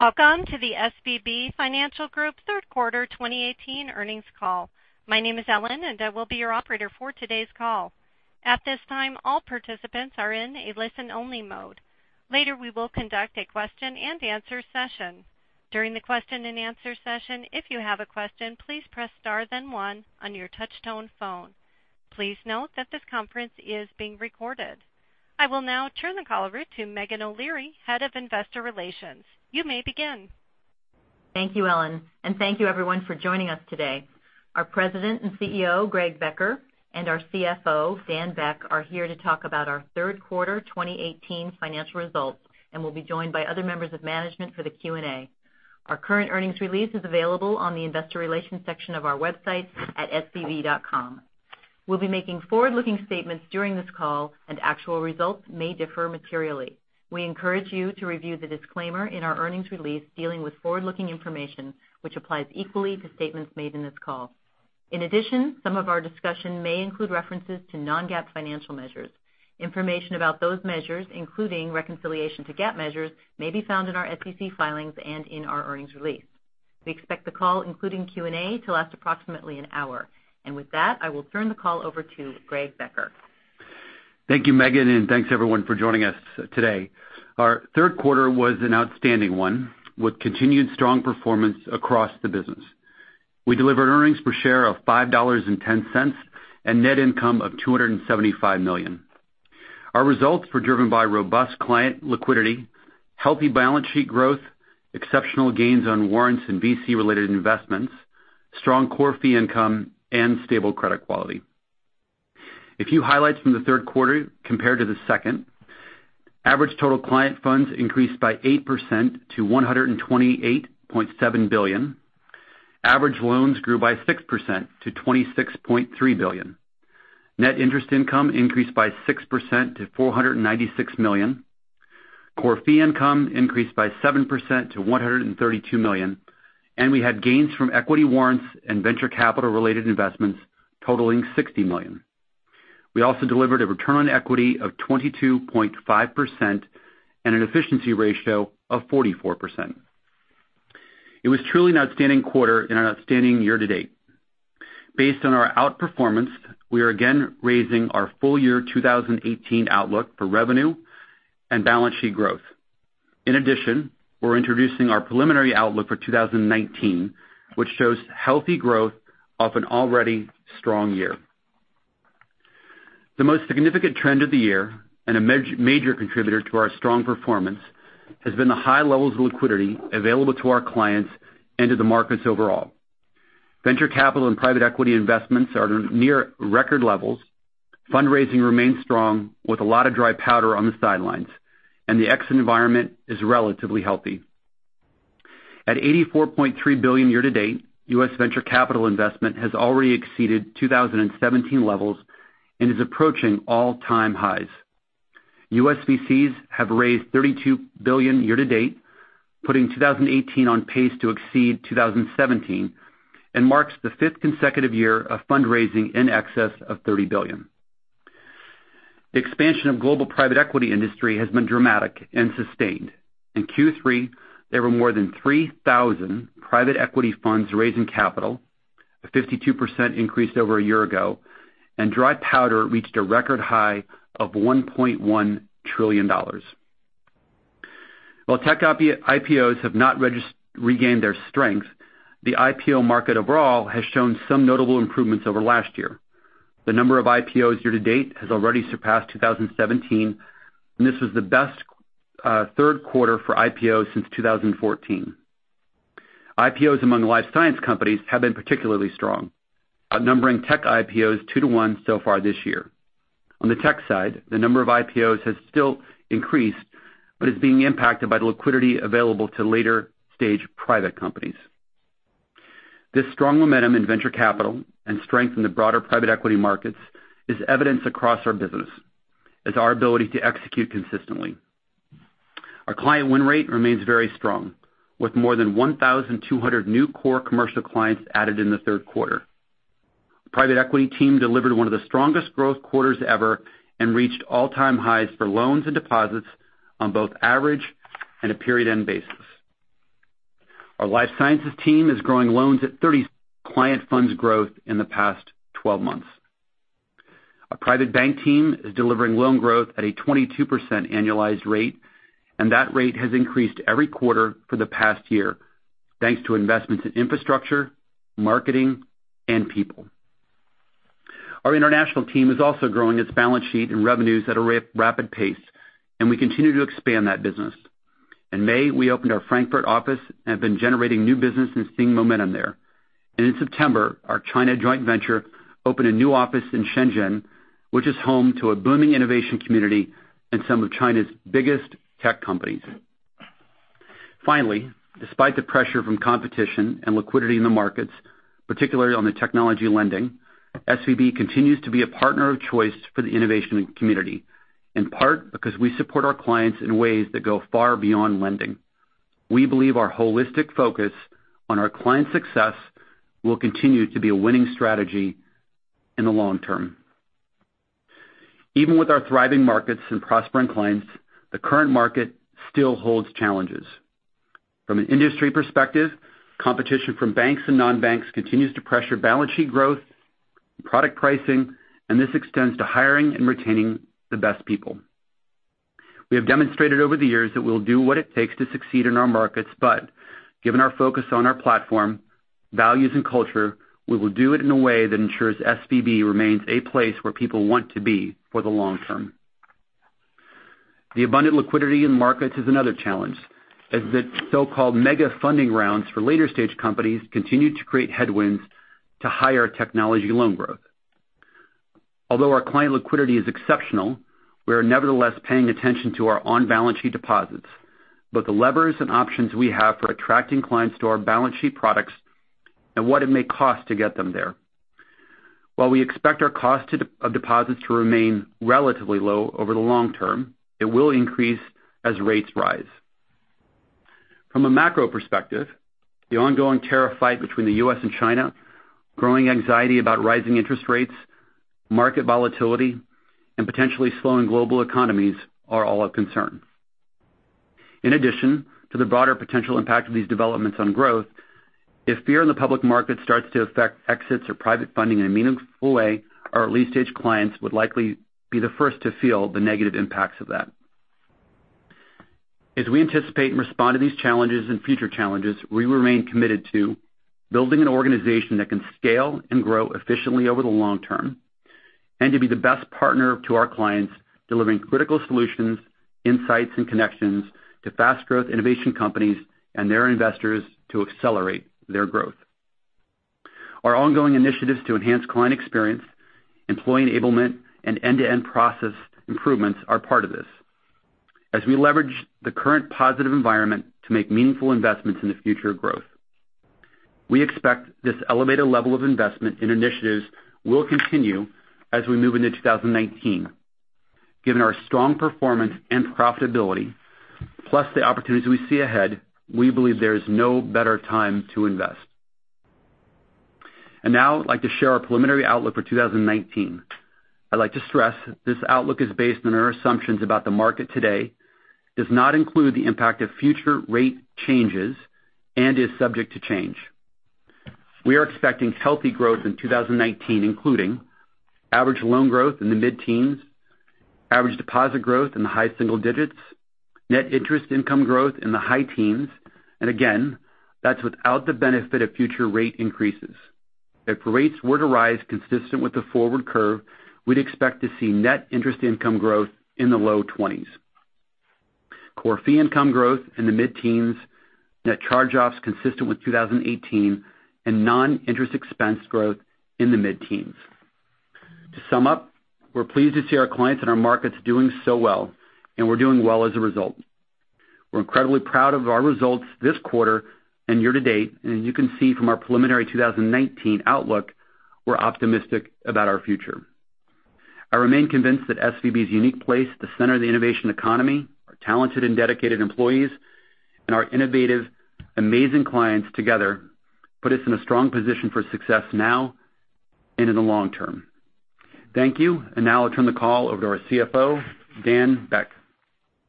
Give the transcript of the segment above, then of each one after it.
Welcome to the SVB Financial Group third quarter 2018 earnings call. My name is Ellen, and I will be your operator for today's call. At this time, all participants are in a listen-only mode. Later, we will conduct a question and answer session. During the question and answer session, if you have a question, please press star then one on your touch-tone phone. Please note that this conference is being recorded. I will now turn the call over to Meghan O'Leary, Head of Investor Relations. You may begin. Thank you, Ellen. Thank you everyone for joining us today. Our President and CEO, Greg Becker, and our CFO, Daniel Beck, are here to talk about our third quarter 2018 financial results and will be joined by other members of management for the Q&A. Our current earnings release is available on the Investor Relations section of our website at svb.com. We'll be making forward-looking statements during this call. Actual results may differ materially. We encourage you to review the disclaimer in our earnings release dealing with forward-looking information, which applies equally to statements made in this call. In addition, some of our discussion may include references to non-GAAP financial measures. Information about those measures, including reconciliation to GAAP measures, may be found in our SEC filings and in our earnings release. We expect the call, including Q&A, to last approximately an hour. With that, I will turn the call over to Greg Becker. Thank you, Meghan. Thanks everyone for joining us today. Our third quarter was an outstanding one with continued strong performance across the business. We delivered earnings per share of $5.10 and net income of $275 million. Our results were driven by robust client liquidity, healthy balance sheet growth, exceptional gains on warrants and VC-related investments, strong core fee income, and stable credit quality. A few highlights from the third quarter compared to the second. Average total client funds increased by 8% to $128.7 billion. Average loans grew by 6% to $26.3 billion. Net interest income increased by 6% to $496 million. Core fee income increased by 7% to $132 million. We had gains from equity warrants and venture capital-related investments totaling $60 million. We also delivered a return on equity of 22.5% and an efficiency ratio of 44%. It was truly an outstanding quarter and an outstanding year to date. Based on our outperformance, we are again raising our full year 2018 outlook for revenue and balance sheet growth. In addition, we're introducing our preliminary outlook for 2019, which shows healthy growth off an already strong year. The most significant trend of the year and a major contributor to our strong performance has been the high levels of liquidity available to our clients and to the markets overall. Venture capital and private equity investments are near record levels. Fundraising remains strong with a lot of dry powder on the sidelines. The exit environment is relatively healthy. At $84.3 billion year to date, U.S. venture capital investment has already exceeded 2017 levels and is approaching all-time highs. U.S. VCs have raised $32 billion year to date, putting 2018 on pace to exceed 2017 and marks the fifth consecutive year of fundraising in excess of $30 billion. The expansion of global private equity industry has been dramatic and sustained. In Q3, there were more than 3,000 private equity funds raising capital, a 52% increase over a year ago. Dry powder reached a record high of $1.1 trillion. While tech IPOs have not regained their strength, the IPO market overall has shown some notable improvements over last year. The number of IPOs year to date has already surpassed 2017. This was the best third quarter for IPOs since 2014. IPOs among the life science companies have been particularly strong. Outnumbering tech IPOs two to one so far this year. On the tech side, the number of IPOs has still increased but is being impacted by the liquidity available to later-stage private companies. This strong momentum in venture capital and strength in the broader private equity markets is evidenced across our business as our ability to execute consistently. Our client win rate remains very strong, with more than 1,200 new core commercial clients added in the third quarter. The private equity team delivered one of the strongest growth quarters ever and reached all-time highs for loans and deposits on both average and a period end basis. Our life sciences team is growing loans at 30% client funds growth in the past 12 months. Our private bank team is delivering loan growth at a 22% annualized rate. That rate has increased every quarter for the past year, thanks to investments in infrastructure, marketing, and people. Our international team is also growing its balance sheet and revenues at a rapid pace. We continue to expand that business. In May, we opened our Frankfurt office and have been generating new business and seeing momentum there. In September, our China joint venture opened a new office in Shenzhen, which is home to a booming innovation community and some of China's biggest tech companies. Finally, despite the pressure from competition and liquidity in the markets, particularly on the technology lending, SVB continues to be a partner of choice for the innovation community, in part because we support our clients in ways that go far beyond lending. We believe our holistic focus on our clients' success will continue to be a winning strategy in the long term. Even with our thriving markets and prospering clients, the current market still holds challenges. From an industry perspective, competition from banks and non-banks continues to pressure balance sheet growth, product pricing, and this extends to hiring and retaining the best people. We have demonstrated over the years that we'll do what it takes to succeed in our markets, but given our focus on our platform, values, and culture, we will do it in a way that ensures SVB remains a place where people want to be for the long term. The abundant liquidity in markets is another challenge, as the so-called mega funding rounds for later-stage companies continue to create headwinds to higher technology loan growth. Although our client liquidity is exceptional, we are nevertheless paying attention to our on-balance sheet deposits, both the levers and options we have for attracting clients to our balance sheet products and what it may cost to get them there. While we expect our cost of deposits to remain relatively low over the long term, it will increase as rates rise. From a macro perspective, the ongoing tariff fight between the U.S. and China, growing anxiety about rising interest rates, market volatility, and potentially slowing global economies are all of concern. In addition to the broader potential impact of these developments on growth, if fear in the public market starts to affect exits or private funding in a meaningful way, our early-stage clients would likely be the first to feel the negative impacts of that. As we anticipate and respond to these challenges and future challenges, we remain committed to building an organization that can scale and grow efficiently over the long term, and to be the best partner to our clients, delivering critical solutions, insights, and connections to fast growth innovation companies and their investors to accelerate their growth. Our ongoing initiatives to enhance client experience, employee enablement, and end-to-end process improvements are part of this as we leverage the current positive environment to make meaningful investments in the future growth. We expect this elevated level of investment in initiatives will continue as we move into 2019. Given our strong performance and profitability, plus the opportunities we see ahead, we believe there is no better time to invest. Now, I'd like to share our preliminary outlook for 2019. I'd like to stress that this outlook is based on our assumptions about the market today, does not include the impact of future rate changes, and is subject to change. We are expecting healthy growth in 2019, including average loan growth in the mid-teens, average deposit growth in the high single digits, net interest income growth in the high teens. Again, that's without the benefit of future rate increases. If rates were to rise consistent with the forward curve, we'd expect to see net interest income growth in the low 20s. Core fee income growth in the mid-teens. Net charge-offs consistent with 2018, and non-interest expense growth in the mid-teens. To sum up, we're pleased to see our clients and our markets doing so well, and we're doing well as a result. We're incredibly proud of our results this quarter and year-to-date. As you can see from our preliminary 2019 outlook, we're optimistic about our future. I remain convinced that SVB's unique place at the center of the innovation economy, our talented and dedicated employees, and our innovative, amazing clients together put us in a strong position for success now and in the long term. Thank you. Now I'll turn the call over to our CFO, Daniel Beck.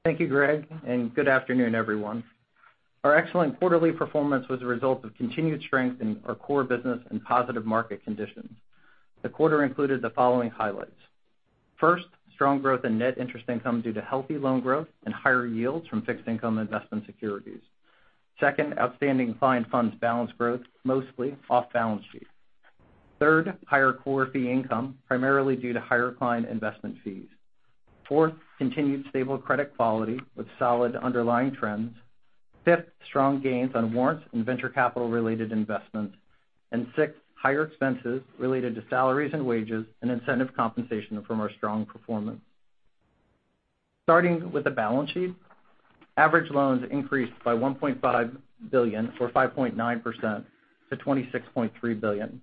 Thank you, Greg, and good afternoon, everyone. Our excellent quarterly performance was a result of continued strength in our core business and positive market conditions. The quarter included the following highlights. First, strong growth in net interest income due to healthy loan growth and higher yields from fixed income investment securities. Second, outstanding client funds balance growth, mostly off balance sheet. Third, higher core fee income, primarily due to higher client investment fees. Fourth, continued stable credit quality with solid underlying trends. Fifth, strong gains on warrants and venture capital-related investments. Sixth, higher expenses related to salaries and wages and incentive compensation from our strong performance. Starting with the balance sheet, average loans increased by $1.5 billion or 5.9% to $26.3 billion,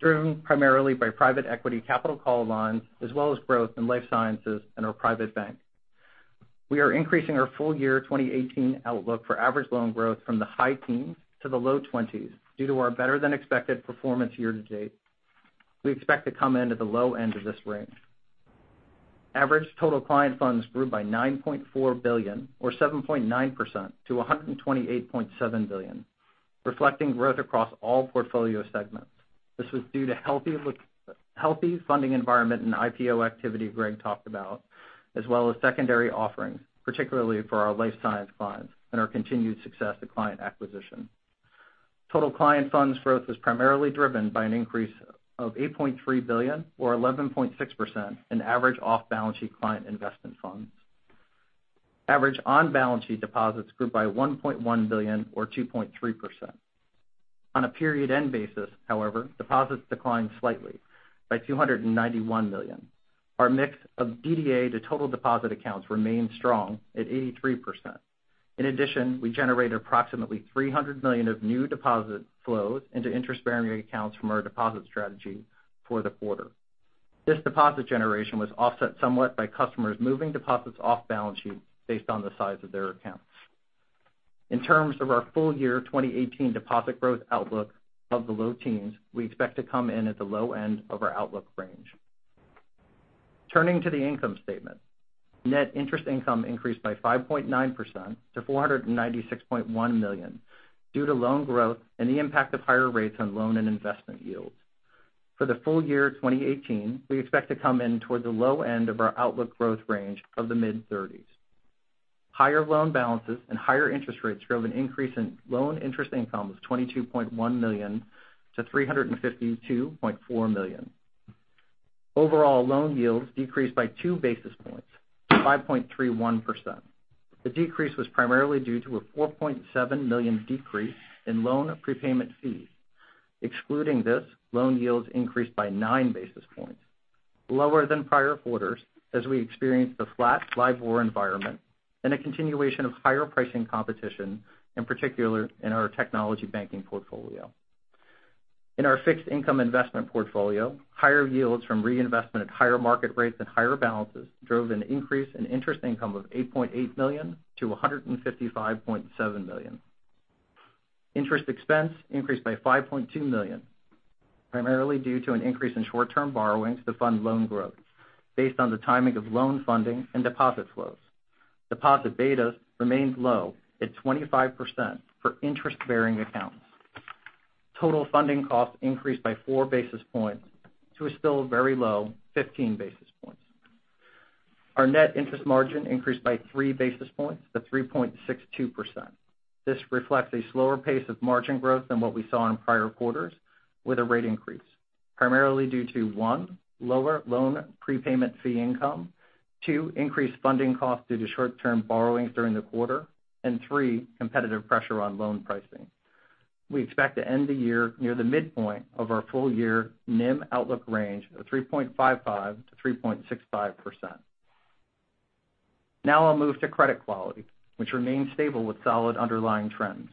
driven primarily by private equity capital call loans, as well as growth in life sciences and our private bank. We are increasing our full year 2018 outlook for average loan growth from the high teens to the low 20s due to our better-than-expected performance year-to-date. We expect to come in at the low end of this range. Average total client funds grew by $9.4 billion or 7.9% to $128.7 billion, reflecting growth across all portfolio segments. This was due to healthy funding environment and IPO activity Greg talked about, as well as secondary offerings, particularly for our life science clients and our continued success to client acquisition. Total client funds growth was primarily driven by an increase of $8.3 billion or 11.6% in average off-balance sheet client investment funds. Average on-balance sheet deposits grew by $1.1 billion or 2.3%. On a period-end basis, however, deposits declined slightly by $291 million. Our mix of DDA to total deposit accounts remained strong at 83%. In addition, we generated approximately $300 million of new deposit flows into interest-bearing accounts from our deposit strategy for the quarter. This deposit generation was offset somewhat by customers moving deposits off balance sheet based on the size of their accounts. In terms of our full year 2018 deposit growth outlook of the low teens, we expect to come in at the low end of our outlook range. Turning to the income statement. Net interest income increased by 5.9% to $496.1 million, due to loan growth and the impact of higher rates on loan and investment yields. For the full year 2018, we expect to come in towards the low end of our outlook growth range of the mid-30s. Higher loan balances and higher interest rates drove an increase in loan interest income of $22.1 million to $352.4 million. Overall loan yields decreased by two basis points to 5.31%. The decrease was primarily due to a $4.7 million decrease in loan prepayment fees. Excluding this, loan yields increased by nine basis points, lower than prior quarters as we experienced a flat LIBOR environment and a continuation of higher pricing competition, in particular in our technology banking portfolio. In our fixed income investment portfolio, higher yields from reinvestment at higher market rates and higher balances drove an increase in interest income of $8.8 million to $155.7 million. Interest expense increased by $5.2 million, primarily due to an increase in short-term borrowings to fund loan growth based on the timing of loan funding and deposit flows. Deposit beta remained low at 25% for interest-bearing accounts. Total funding costs increased by four basis points to a still very low 15 basis points. Our net interest margin increased by three basis points to 3.62%. This reflects a slower pace of margin growth than what we saw in prior quarters with a rate increase, primarily due to, one, lower loan prepayment fee income, two, increased funding costs due to short-term borrowings during the quarter, and three, competitive pressure on loan pricing. We expect to end the year near the midpoint of our full-year NIM outlook range of 3.55%-3.65%. I'll move to credit quality, which remains stable with solid underlying trends.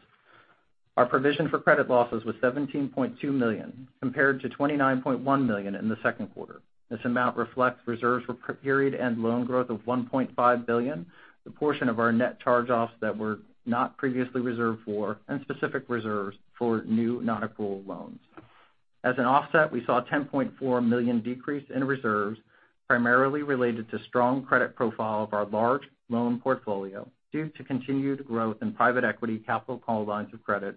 Our provision for credit losses was $17.2 million, compared to $29.1 million in the second quarter. This amount reflects reserves for period and loan growth of $1.5 billion, the portion of our net charge-offs that were not previously reserved for, and specific reserves for new non-accrual loans. As an offset, we saw a $10.4 million decrease in reserves, primarily related to strong credit profile of our large loan portfolio, due to continued growth in private equity capital call lines of credit,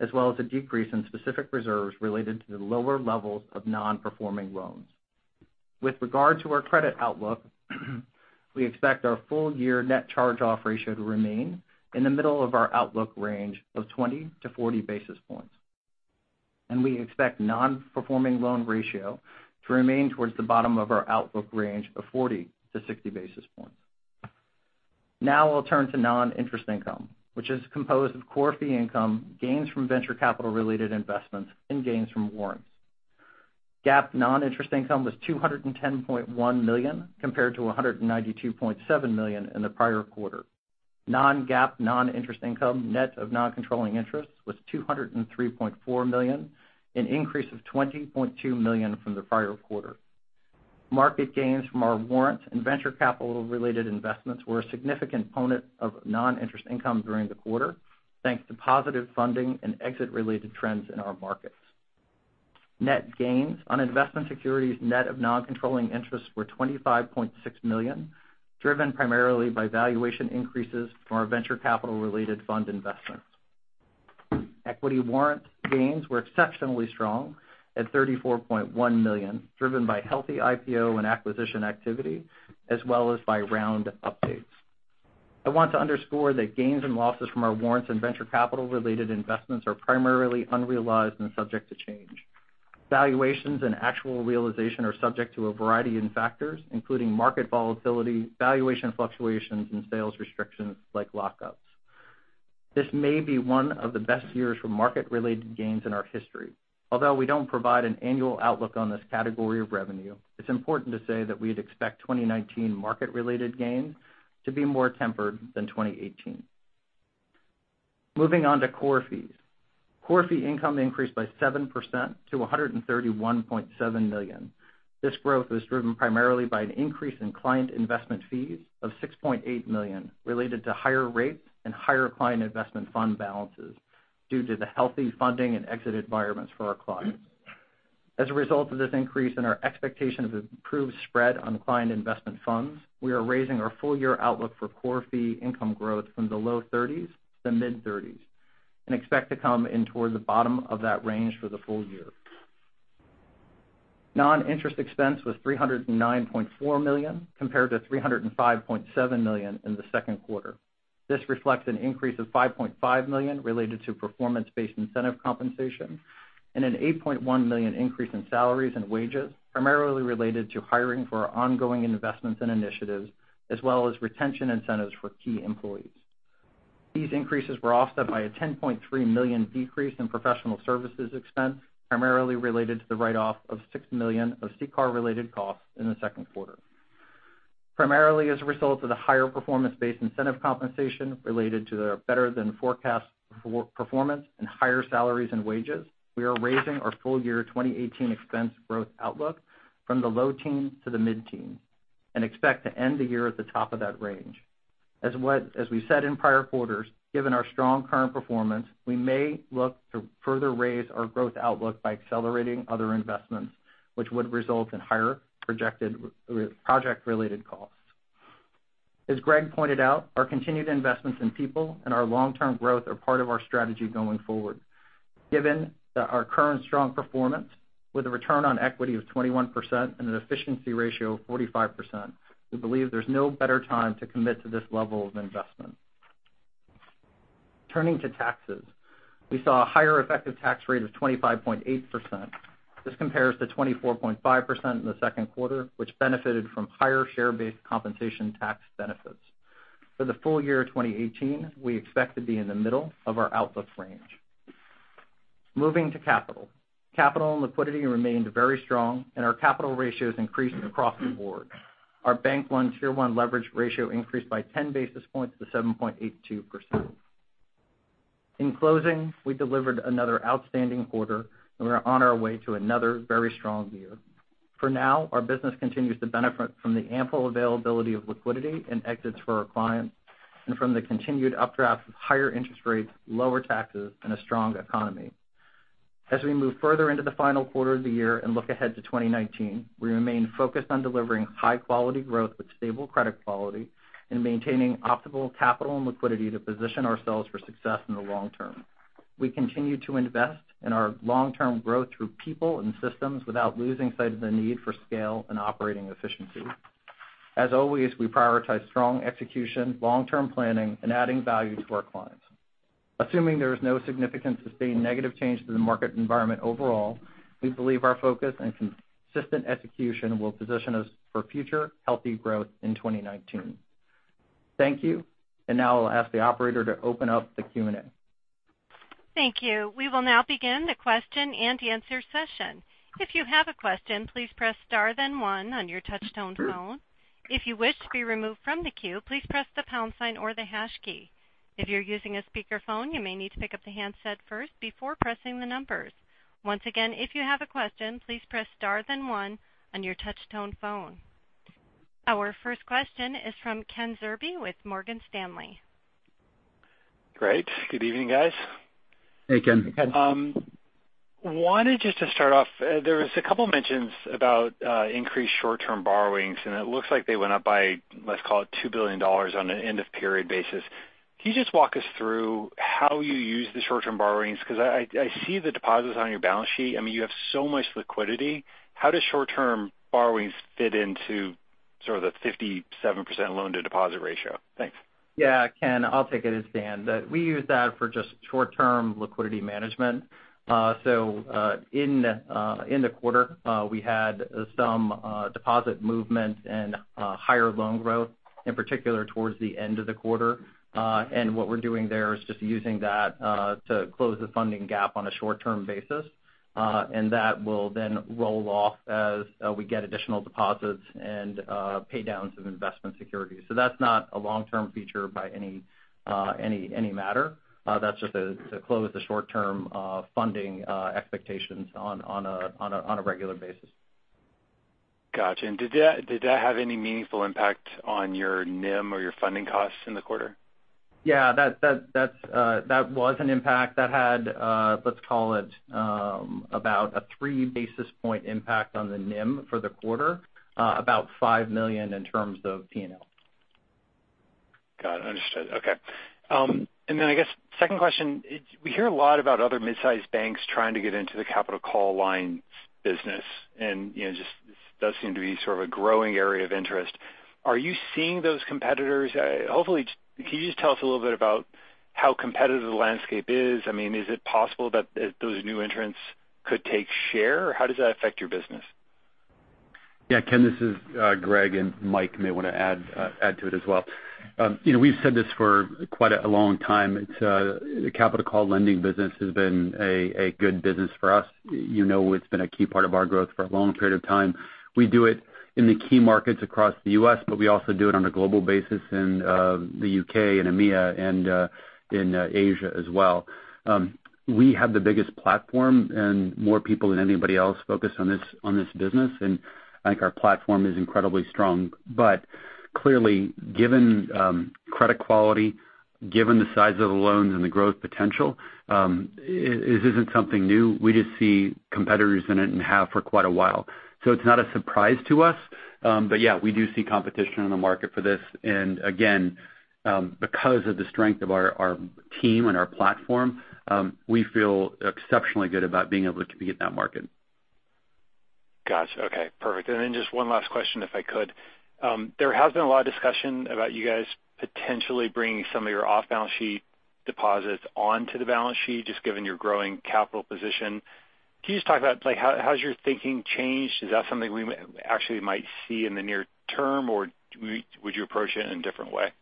as well as a decrease in specific reserves related to the lower levels of non-performing loans. With regard to our credit outlook, we expect our full-year net charge-off ratio to remain in the middle of our outlook range of 20-40 basis points. We expect non-performing loan ratio to remain towards the bottom of our outlook range of 40-60 basis points. I'll turn to non-interest income, which is composed of core fee income, gains from venture capital-related investments, and gains from warrants. GAAP non-interest income was $210.1 million, compared to $192.7 million in the prior quarter. Non-GAAP non-interest income, net of non-controlling interest, was $203.4 million, an increase of $20.2 million from the prior quarter. Market gains from our warrants and venture capital-related investments were a significant component of non-interest income during the quarter, thanks to positive funding and exit-related trends in our markets. Net gains on investment securities net of non-controlling interests were $25.6 million, driven primarily by valuation increases from our venture capital-related fund investments. Equity warrant gains were exceptionally strong at $34.1 million, driven by healthy IPO and acquisition activity, as well as by round updates. I want to underscore that gains and losses from our warrants and venture capital-related investments are primarily unrealized and subject to change. Valuations and actual realization are subject to a variety of factors, including market volatility, valuation fluctuations, and sales restrictions like lockups. This may be one of the best years for market-related gains in our history. Although we don't provide an annual outlook on this category of revenue, it's important to say that we'd expect 2019 market-related gains to be more tempered than 2018. Moving on to core fees. Core fee income increased by 7% to $131.7 million. This growth was driven primarily by an increase in client investment fees of $6.8 million related to higher rates and higher client investment fund balances due to the healthy funding and exit environments for our clients. As a result of this increase and our expectation of improved spread on client investment funds, we are raising our full-year outlook for core fee income growth from the low 30s to the mid-30s and expect to come in towards the bottom of that range for the full year. Non-interest expense was $309.4 million, compared to $305.7 million in the second quarter. This reflects an increase of $5.5 million related to performance-based incentive compensation and an $8.1 million increase in salaries and wages, primarily related to hiring for our ongoing investments and initiatives, as well as retention incentives for key employees. These increases were offset by a $10.3 million decrease in professional services expense, primarily related to the write-off of $6 million of CCAR-related costs in the second quarter. Primarily as a result of the higher performance-based incentive compensation related to the better-than-forecast performance and higher salaries and wages, we are raising our full-year 2018 expense growth outlook from the low teens to the mid-teens. Expect to end the year at the top of that range. As we said in prior quarters, given our strong current performance, we may look to further raise our growth outlook by accelerating other investments, which would result in higher projected project-related costs. As Greg pointed out, our continued investments in people and our long-term growth are part of our strategy going forward. Given our current strong performance, with a return on equity of 21% and an efficiency ratio of 45%, we believe there's no better time to commit to this level of investment. Turning to taxes, we saw a higher effective tax rate of 25.8%. This compares to 24.5% in the second quarter, which benefited from higher share-based compensation tax benefits. For the full year 2018, we expect to be in the middle of our outlook range. Moving to capital. Capital and liquidity remained very strong and our capital ratios increased across the board. Our Bank-level Tier 1 leverage ratio increased by 10 basis points to 7.82%. In closing, we delivered another outstanding quarter. We are on our way to another very strong year. For now, our business continues to benefit from the ample availability of liquidity and exits for our clients and from the continued updrafts of higher interest rates, lower taxes, and a strong economy. As we move further into the final quarter of the year and look ahead to 2019, we remain focused on delivering high-quality growth with stable credit quality and maintaining optimal capital and liquidity to position ourselves for success in the long term. We continue to invest in our long-term growth through people and systems without losing sight of the need for scale and operating efficiency. As always, we prioritize strong execution, long-term planning, and adding value to our clients. Assuming there is no significant sustained negative change to the market environment overall, we believe our focus and consistent execution will position us for future healthy growth in 2019. Thank you. Now I'll ask the operator to open up the Q&A. Thank you. We will now begin the question-and-answer session. If you have a question, please press star then one on your touchtone phone. If you wish to be removed from the queue, please press the pound sign or the hash key. If you're using a speakerphone, you may need to pick up the handset first before pressing the numbers. Once again, if you have a question, please press star then one on your touchtone phone. Our first question is from Kenneth Zerbe with Morgan Stanley. Great. Good evening, guys. Hey, Ken. Ken. Wanted just to start off, there was a couple mentions about increased short-term borrowings, and it looks like they went up by, let's call it $2 billion on an end-of-period basis. Can you just walk us through how you use the short-term borrowings? Because I see the deposits on your balance sheet. You have so much liquidity. How does short-term borrowings fit into sort of the 57% loan-to-deposit ratio? Thanks. Yeah, Ken, I'll take it. It's Dan. We use that for just short-term liquidity management. In the quarter, we had some deposit movement and higher loan growth, in particular towards the end of the quarter. What we're doing there is just using that to close the funding gap on a short-term basis. That will then roll off as we get additional deposits and pay downs of investment securities. That's not a long-term feature by any matter. That's just to close the short-term funding expectations on a regular basis. Gotcha. Did that have any meaningful impact on your NIM or your funding costs in the quarter? Yeah. That was an impact. That had, let's call it, about a three basis point impact on the NIM for the quarter. About $5 million in terms of P&L. Got it. Understood. Okay. Then I guess second question, we hear a lot about other mid-size banks trying to get into the capital call lines business, just does seem to be sort of a growing area of interest. Are you seeing those competitors? Hopefully, can you just tell us a little bit about how competitive the landscape is? Is it possible that those new entrants could take share, or how does that affect your business? Ken, this is Greg, and Mike may want to add to it as well. We've said this for quite a long time. The capital call lending business has been a good business for us. You know it's been a key part of our growth for a long period of time. We do it in the key markets across the U.S., but we also do it on a global basis in the U.K. and EMEA and in Asia as well. We have the biggest platform and more people than anybody else focused on this business, and I think our platform is incredibly strong. Clearly, given credit quality, given the size of the loans and the growth potential, this isn't something new. We just see competitors in it and have for quite a while. It's not a surprise to us. Yeah, we do see competition in the market for this. Again, because of the strength of our team and our platform, we feel exceptionally good about being able to compete in that market. Gotcha. Okay, perfect. Just one last question, if I could. There has been a lot of discussion about you guys potentially bringing some of your off-balance sheet deposits onto the balance sheet, just given your growing capital position. Can you just talk about how has your thinking changed? Is that something we actually might see in the near term, or would you approach it in a different way?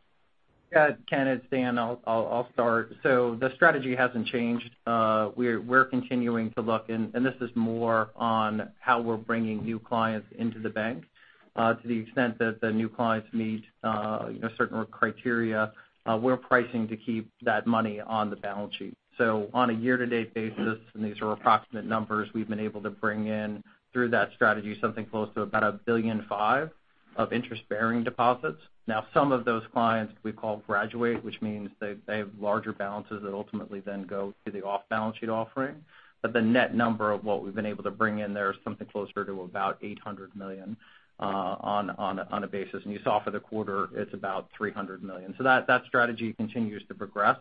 Ken, it's Dan, I'll start. The strategy hasn't changed. We're continuing to look, and this is more on how we're bringing new clients into the bank. To the extent that the new clients meet certain criteria, we're pricing to keep that money on the balance sheet. On a year-to-date basis, these are approximate numbers, we've been able to bring in through that strategy something close to about $1.5 billion of interest-bearing deposits. Some of those clients we call graduate, which means they have larger balances that ultimately then go to the off-balance sheet offering. The net number of what we've been able to bring in there is something closer to about $800 million on a basis. You saw for the quarter, it's about $300 million. That strategy continues to progress.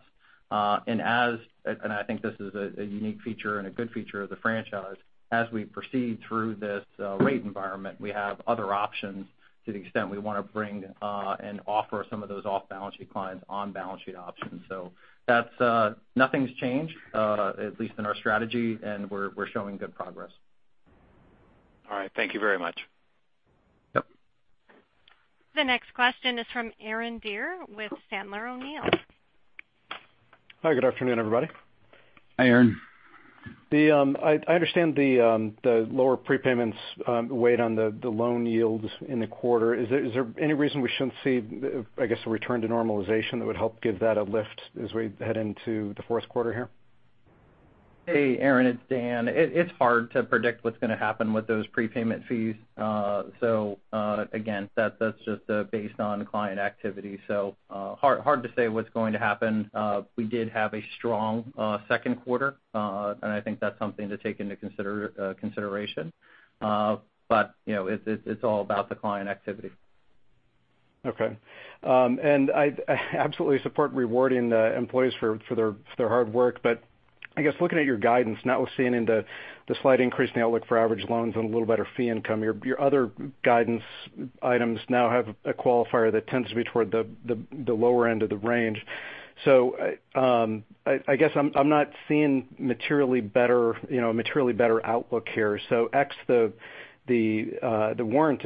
I think this is a unique feature and a good feature of the franchise. As we proceed through this rate environment, we have other options to the extent we want to bring and offer some of those off-balance sheet clients on-balance sheet options. Nothing's changed, at least in our strategy, and we're showing good progress. All right. Thank you very much. Yep. The next question is from Aaron Deer with Sandler O'Neill. Hi, good afternoon, everybody. Hi, Aaron. I understand the lower prepayments weighed on the loan yields in the quarter. Is there any reason we shouldn't see, I guess, a return to normalization that would help give that a lift as we head into the fourth quarter here? Hey, Aaron, it's Dan. It's hard to predict what's going to happen with those prepayment fees. Again, that's just based on client activity. Hard to say what's going to happen. We did have a strong second quarter. I think that's something to take into consideration. It's all about the client activity. Okay. I absolutely support rewarding the employees for their hard work. I guess looking at your guidance, notwithstanding the slight increase in the outlook for average loans and a little better fee income, your other guidance items now have a qualifier that tends to be toward the lower end of the range. I guess I'm not seeing a materially better outlook here. X the warrant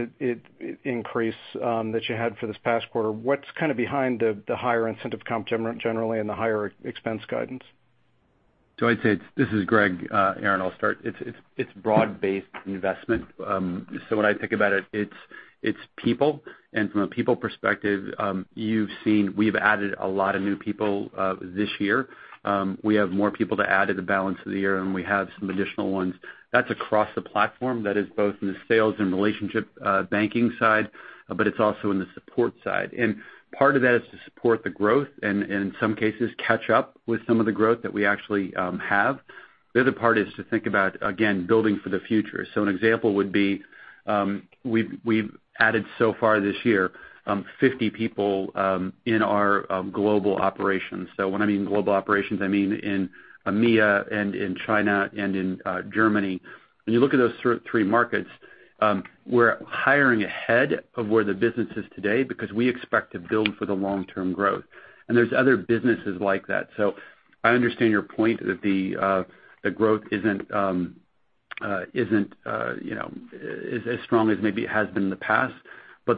increase that you had for this past quarter, what's kind of behind the higher incentive comp generally and the higher expense guidance? I'd say this is Greg. Aaron, I'll start. It's broad-based investment. When I think about it's people. From a people perspective, you've seen we've added a lot of new people this year. We have more people to add to the balance of the year, and we have some additional ones. That's across the platform that is both in the sales and relationship banking side, but it's also in the support side. Part of that is to support the growth and in some cases, catch up with some of the growth that we actually have. The other part is to think about, again, building for the future. An example would be we've added so far this year 50 people in our global operations. When I mean global operations, I mean in EMEA and in China and in Germany. When you look at those three markets, we're hiring ahead of where the business is today because we expect to build for the long-term growth. There's other businesses like that. I understand your point that the growth isn't as strong as maybe it has been in the past.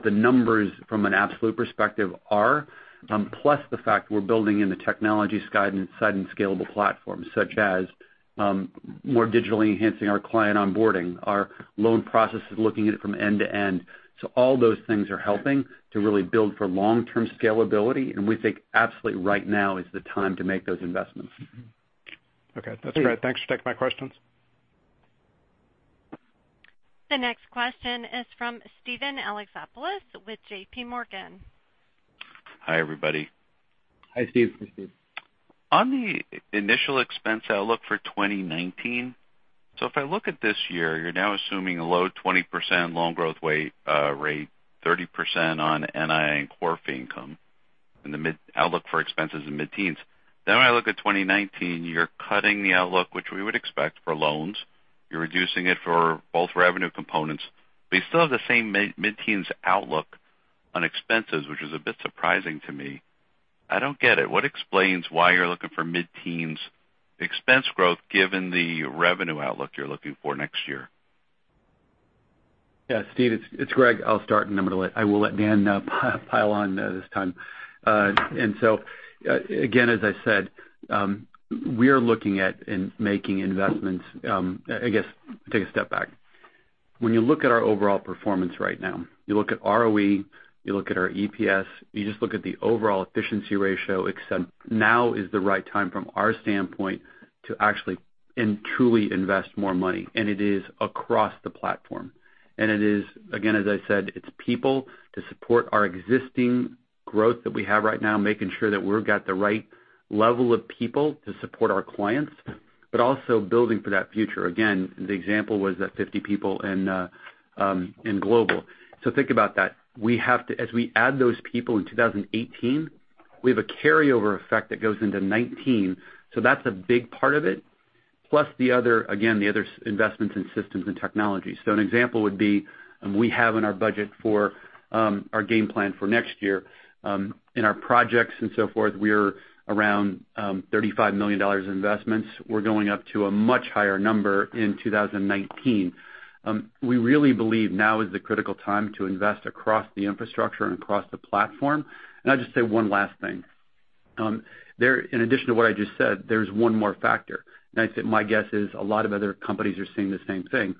The numbers from an absolute perspective are, plus the fact we're building in the technologies guidance side and scalable platforms, such as more digitally enhancing our client onboarding, our loan processes, looking at it from end to end. All those things are helping to really build for long-term scalability, and we think absolutely right now is the time to make those investments. Okay. That's great. Thanks for taking my questions. The next question is from Steven Alexopoulos with J.P. Morgan. Hi, everybody. Hi, Steve. Hi, Steve. On the initial expense outlook for 2019, if I look at this year, you're now assuming a low 20% loan growth rate, 30% on NII and core fee income, and the outlook for expenses in mid-teens. When I look at 2019, you're cutting the outlook, which we would expect for loans. You're reducing it for both revenue components. You still have the same mid-teens outlook on expenses, which is a bit surprising to me. I don't get it. What explains why you're looking for mid-teens expense growth given the revenue outlook you're looking for next year? Yeah. Steve, it's Greg. I'll start, and I will let Dan pile on this time. Again, as I said, we are looking at making investments. I guess, take a step back. When you look at our overall performance right now, you look at ROE, you look at our EPS, you just look at the overall efficiency ratio, except now is the right time from our standpoint to actually and truly invest more money. It is across the platform. It is, again, as I said, it's people to support our existing growth that we have right now, making sure that we've got the right level of people to support our clients, but also building for that future. Again, the example was that 50 people in global. Think about that. As we add those people in 2018, we have a carryover effect that goes into 2019. That's a big part of it. Plus the other, again, the other investments in systems and technology. An example would be we have in our budget for our game plan for next year in our projects and so forth, we're around $35 million in investments. We're going up to a much higher number in 2019. We really believe now is the critical time to invest across the infrastructure and across the platform. I'll just say one last thing. In addition to what I just said, there's one more factor. I'd say my guess is a lot of other companies are seeing the same thing.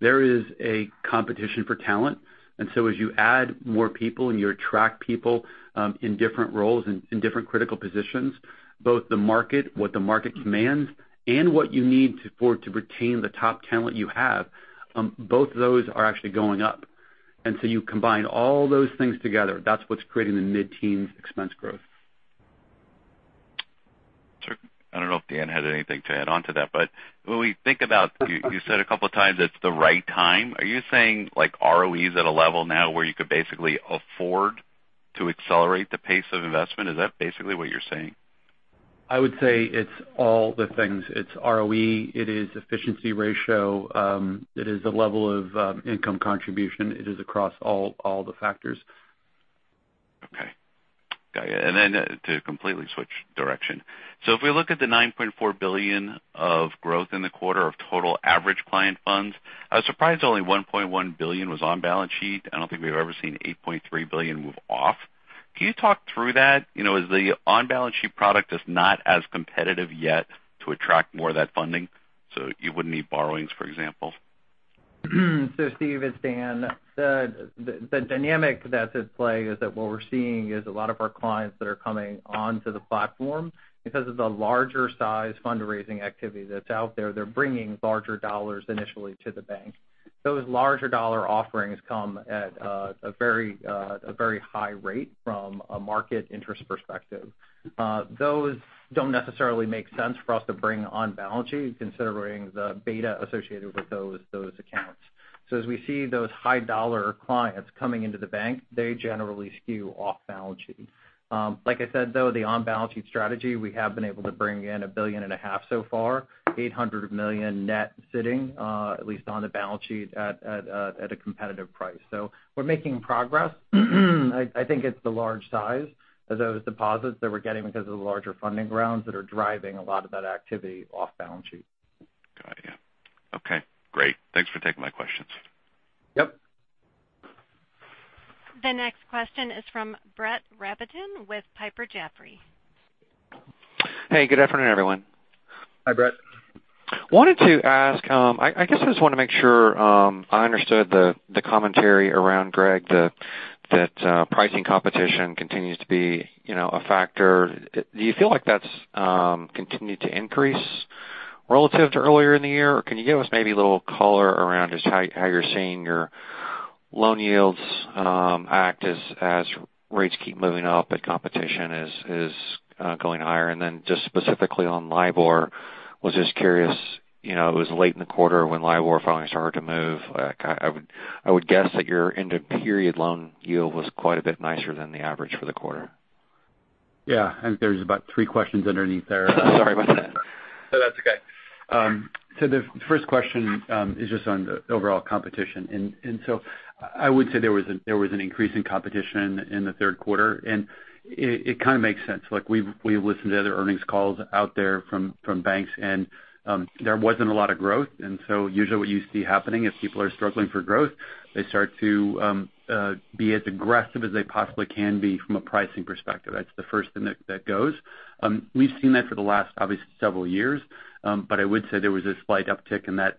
There is a competition for talent, as you add more people and you attract people in different roles and in different critical positions, both the market, what the market commands, and what you need to afford to retain the top talent you have, both of those are actually going up. You combine all those things together, that's what's creating the mid-teens expense growth. Sure. I don't know if Dan had anything to add on to that, when we think about you said a couple of times it's the right time. Are you saying like ROE is at a level now where you could basically afford to accelerate the pace of investment? Is that basically what you're saying? I would say it's all the things. It's ROE, it is efficiency ratio, it is the level of income contribution. It is across all the factors. Okay. Got you. To completely switch direction. If we look at the $9.4 billion of growth in the quarter of total average client funds, I was surprised only $1.1 billion was on balance sheet. I don't think we've ever seen $8.3 billion move off. Can you talk through that? Is the on-balance sheet product just not as competitive yet to attract more of that funding, so you wouldn't need borrowings, for example? Steve, it's Dan. The dynamic that's at play is that what we're seeing is a lot of our clients that are coming onto the platform because of the larger size fundraising activity that's out there. They're bringing larger dollars initially to the bank. Those larger dollar offerings come at a very high rate from a market interest perspective. Those don't necessarily make sense for us to bring on balance sheet considering the beta associated with those accounts. As we see those high dollar clients coming into the bank, they generally skew off balance sheet. Like I said, though, the on balance sheet strategy, we have been able to bring in a billion and a half so far, $800 million net sitting at least on the balance sheet at a competitive price. We're making progress. I think it's the large size of those deposits that we're getting because of the larger funding grounds that are driving a lot of that activity off balance sheet. Got you. Okay, great. Thanks for taking my questions. Yep. The next question is from Brett Rabatin with Piper Jaffray. Hey, good afternoon, everyone. Hi, Brett. Wanted to ask, I guess I just want to make sure I understood the commentary around, Greg, that pricing competition continues to be a factor. Do you feel like that's continued to increase relative to earlier in the year? Can you give us maybe a little color around just how you're seeing your loan yields act as rates keep moving up and competition is going higher? Just specifically on LIBOR, was just curious, it was late in the quarter when LIBOR finally started to move. I would guess that your end of period loan yield was quite a bit nicer than the average for the quarter. Yeah. I think there's about three questions underneath there. Sorry about that. No, that's okay. The first question is just on the overall competition. I would say there was an increase in competition in the third quarter, and it kind of makes sense. We've listened to other earnings calls out there from banks, and there wasn't a lot of growth. Usually what you see happening is people are struggling for growth. They start to be as aggressive as they possibly can be from a pricing perspective. That's the first thing that goes. We've seen that for the last, obviously, several years. I would say there was a slight uptick in that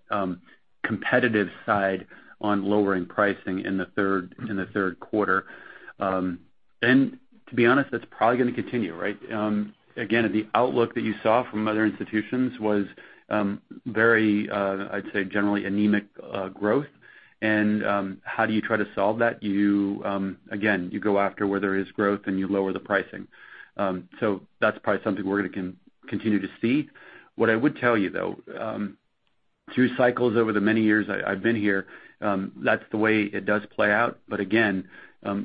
competitive side on lowering pricing in the third quarter. To be honest, that's probably going to continue, right? Again, the outlook that you saw from other institutions was very, I'd say, generally anemic growth. How do you try to solve that? You go after where there is growth, you lower the pricing. That's probably something we're going to continue to see. What I would tell you, though, through cycles over the many years I've been here, that's the way it does play out. Again,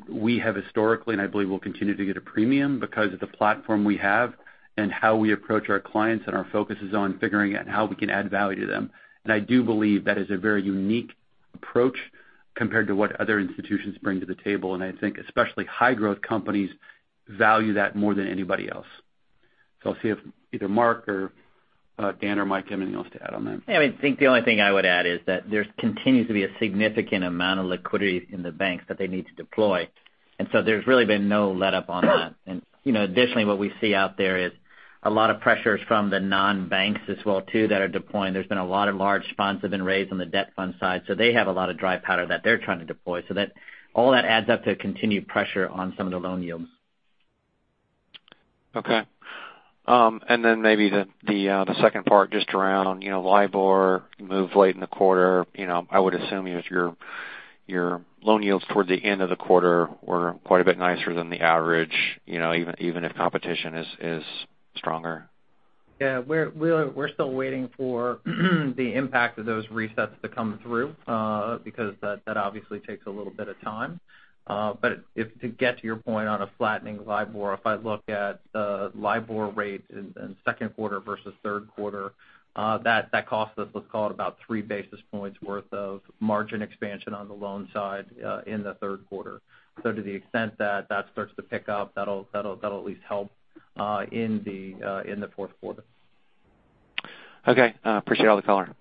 we have historically, and I believe we'll continue to get a premium because of the platform we have and how we approach our clients and our focuses on figuring out how we can add value to them. I do believe that is a very unique approach compared to what other institutions bring to the table. I think especially high growth companies value that more than anybody else. I'll see if either Marc or Daniel or Michael have anything else to add on that. I think the only thing I would add is that there continues to be a significant amount of liquidity in the banks that they need to deploy, there's really been no letup on that. Additionally, what we see out there is a lot of pressures from the non-banks as well too that are deploying. There's been a lot of large funds have been raised on the debt fund side, so they have a lot of dry powder that they're trying to deploy. All that adds up to continued pressure on some of the loan yields. Okay. Maybe the second part just around LIBOR move late in the quarter. I would assume your loan yields toward the end of the quarter were quite a bit nicer than the average even if competition is stronger. Yeah. We're still waiting for the impact of those resets to come through because that obviously takes a little bit of time. To get to your point on a flattening LIBOR, if I look at the LIBOR rate in second quarter versus third quarter, that cost us, let's call it about three basis points worth of margin expansion on the loan side in the third quarter. To the extent that starts to pick up, that'll at least help in the fourth quarter. Okay. Appreciate all the color. Yep.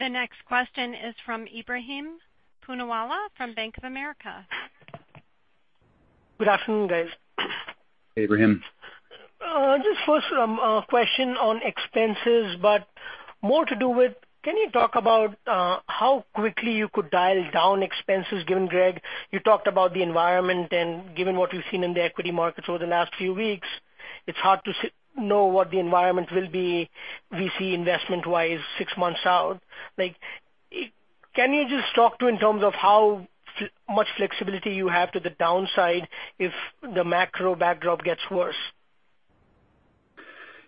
The next question is from Ebrahim Poonawala from Bank of America. Good afternoon, guys. Hey, Ebrahim. first a question on expenses, but more to do with, can you talk about how quickly you could dial down expenses, given, Greg, you talked about the environment and given what we've seen in the equity markets over the last few weeks, it's hard to know what the environment will be VC investment-wise six months out. Can you just talk to in terms of how much flexibility you have to the downside if the macro backdrop gets worse?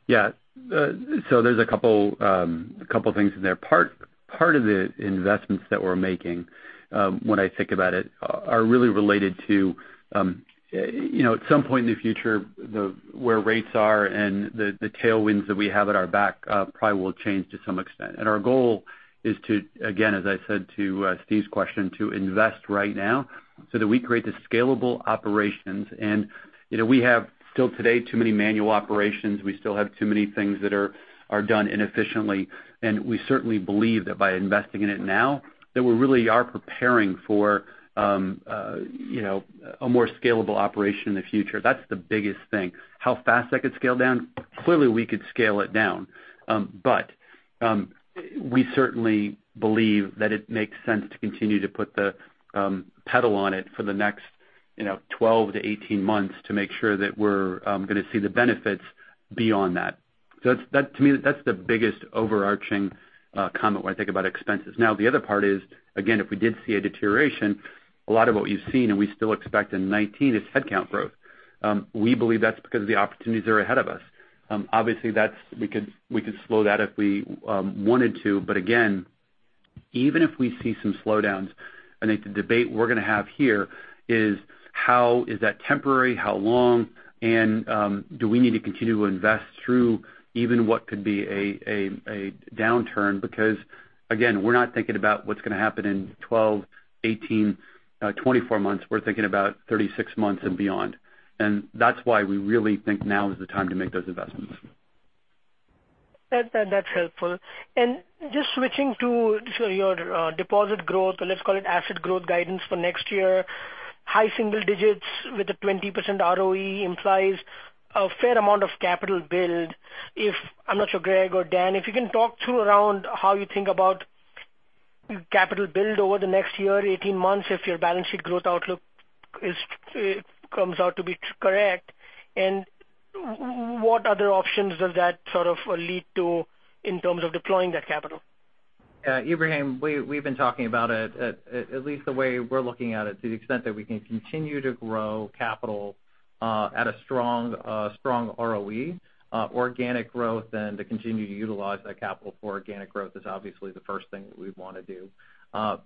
There's a couple things in there. Part of the investments that we're making, when I think about it, are really related to at some point in the future, where rates are and the tailwinds that we have at our back probably will change to some extent. Our goal is to, again, as I said to Steve's question, to invest right now so that we create the scalable operations. We have still today, too many manual operations. We still have too many things that are done inefficiently. We certainly believe that by investing in it now, that we really are preparing for a more scalable operation in the future. That's the biggest thing. How fast that could scale down, clearly we could scale it down. We certainly believe that it makes sense to continue to put the pedal on it for the next 12 to 18 months to make sure that we're going to see the benefits beyond that. To me, that's the biggest overarching comment when I think about expenses. Now, the other part is, again, if we did see a deterioration, a lot of what you've seen, and we still expect in 2019, is headcount growth. We believe that's because the opportunities are ahead of us. Obviously we could slow that if we wanted to, but again, even if we see some slowdowns, I think the debate we're going to have here is how is that temporary, how long, and do we need to continue to invest through even what could be a downturn? Again, we're not thinking about what's going to happen in 12, 18, 24 months. We're thinking about 36 months and beyond. That's why we really think now is the time to make those investments. That's helpful. Just switching to your deposit growth, let's call it asset growth guidance for next year, high single digits with a 20% ROE implies a fair amount of capital build. I'm not sure, Greg or Dan, if you can talk through around how you think about capital build over the next year, 18 months, if your balance sheet growth outlook comes out to be correct, and what other options does that sort of lead to in terms of deploying that capital? Ebrahim, we've been talking about it, at least the way we're looking at it, to the extent that we can continue to grow capital at a strong ROE, organic growth and to continue to utilize that capital for organic growth is obviously the first thing that we'd want to do.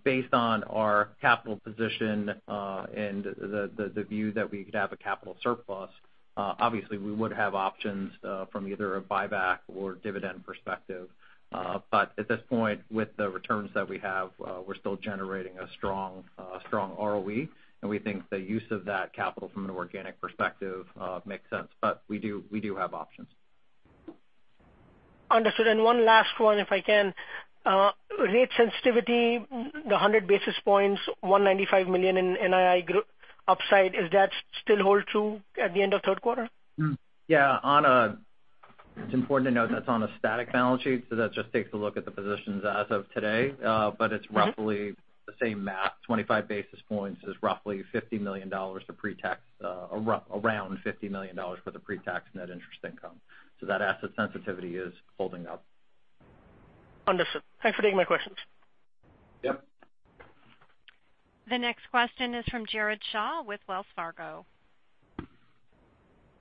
Based on our capital position, and the view that we could have a capital surplus, obviously we would have options from either a buyback or dividend perspective. At this point, with the returns that we have, we're still generating a strong ROE, and we think the use of that capital from an organic perspective makes sense. We do have options. Understood. One last one, if I can. Rate sensitivity, the 100 basis points, $195 million in NII upside, is that still hold true at the end of third quarter? Yeah. It's important to note that's on a static balance sheet, that just takes a look at the positions as of today. It's roughly the same math. 25 basis points is around $50 million for the pre-tax net interest income. That asset sensitivity is holding up. Understood. Thanks for taking my questions. Yep. The next question is from Jared Shaw with Wells Fargo.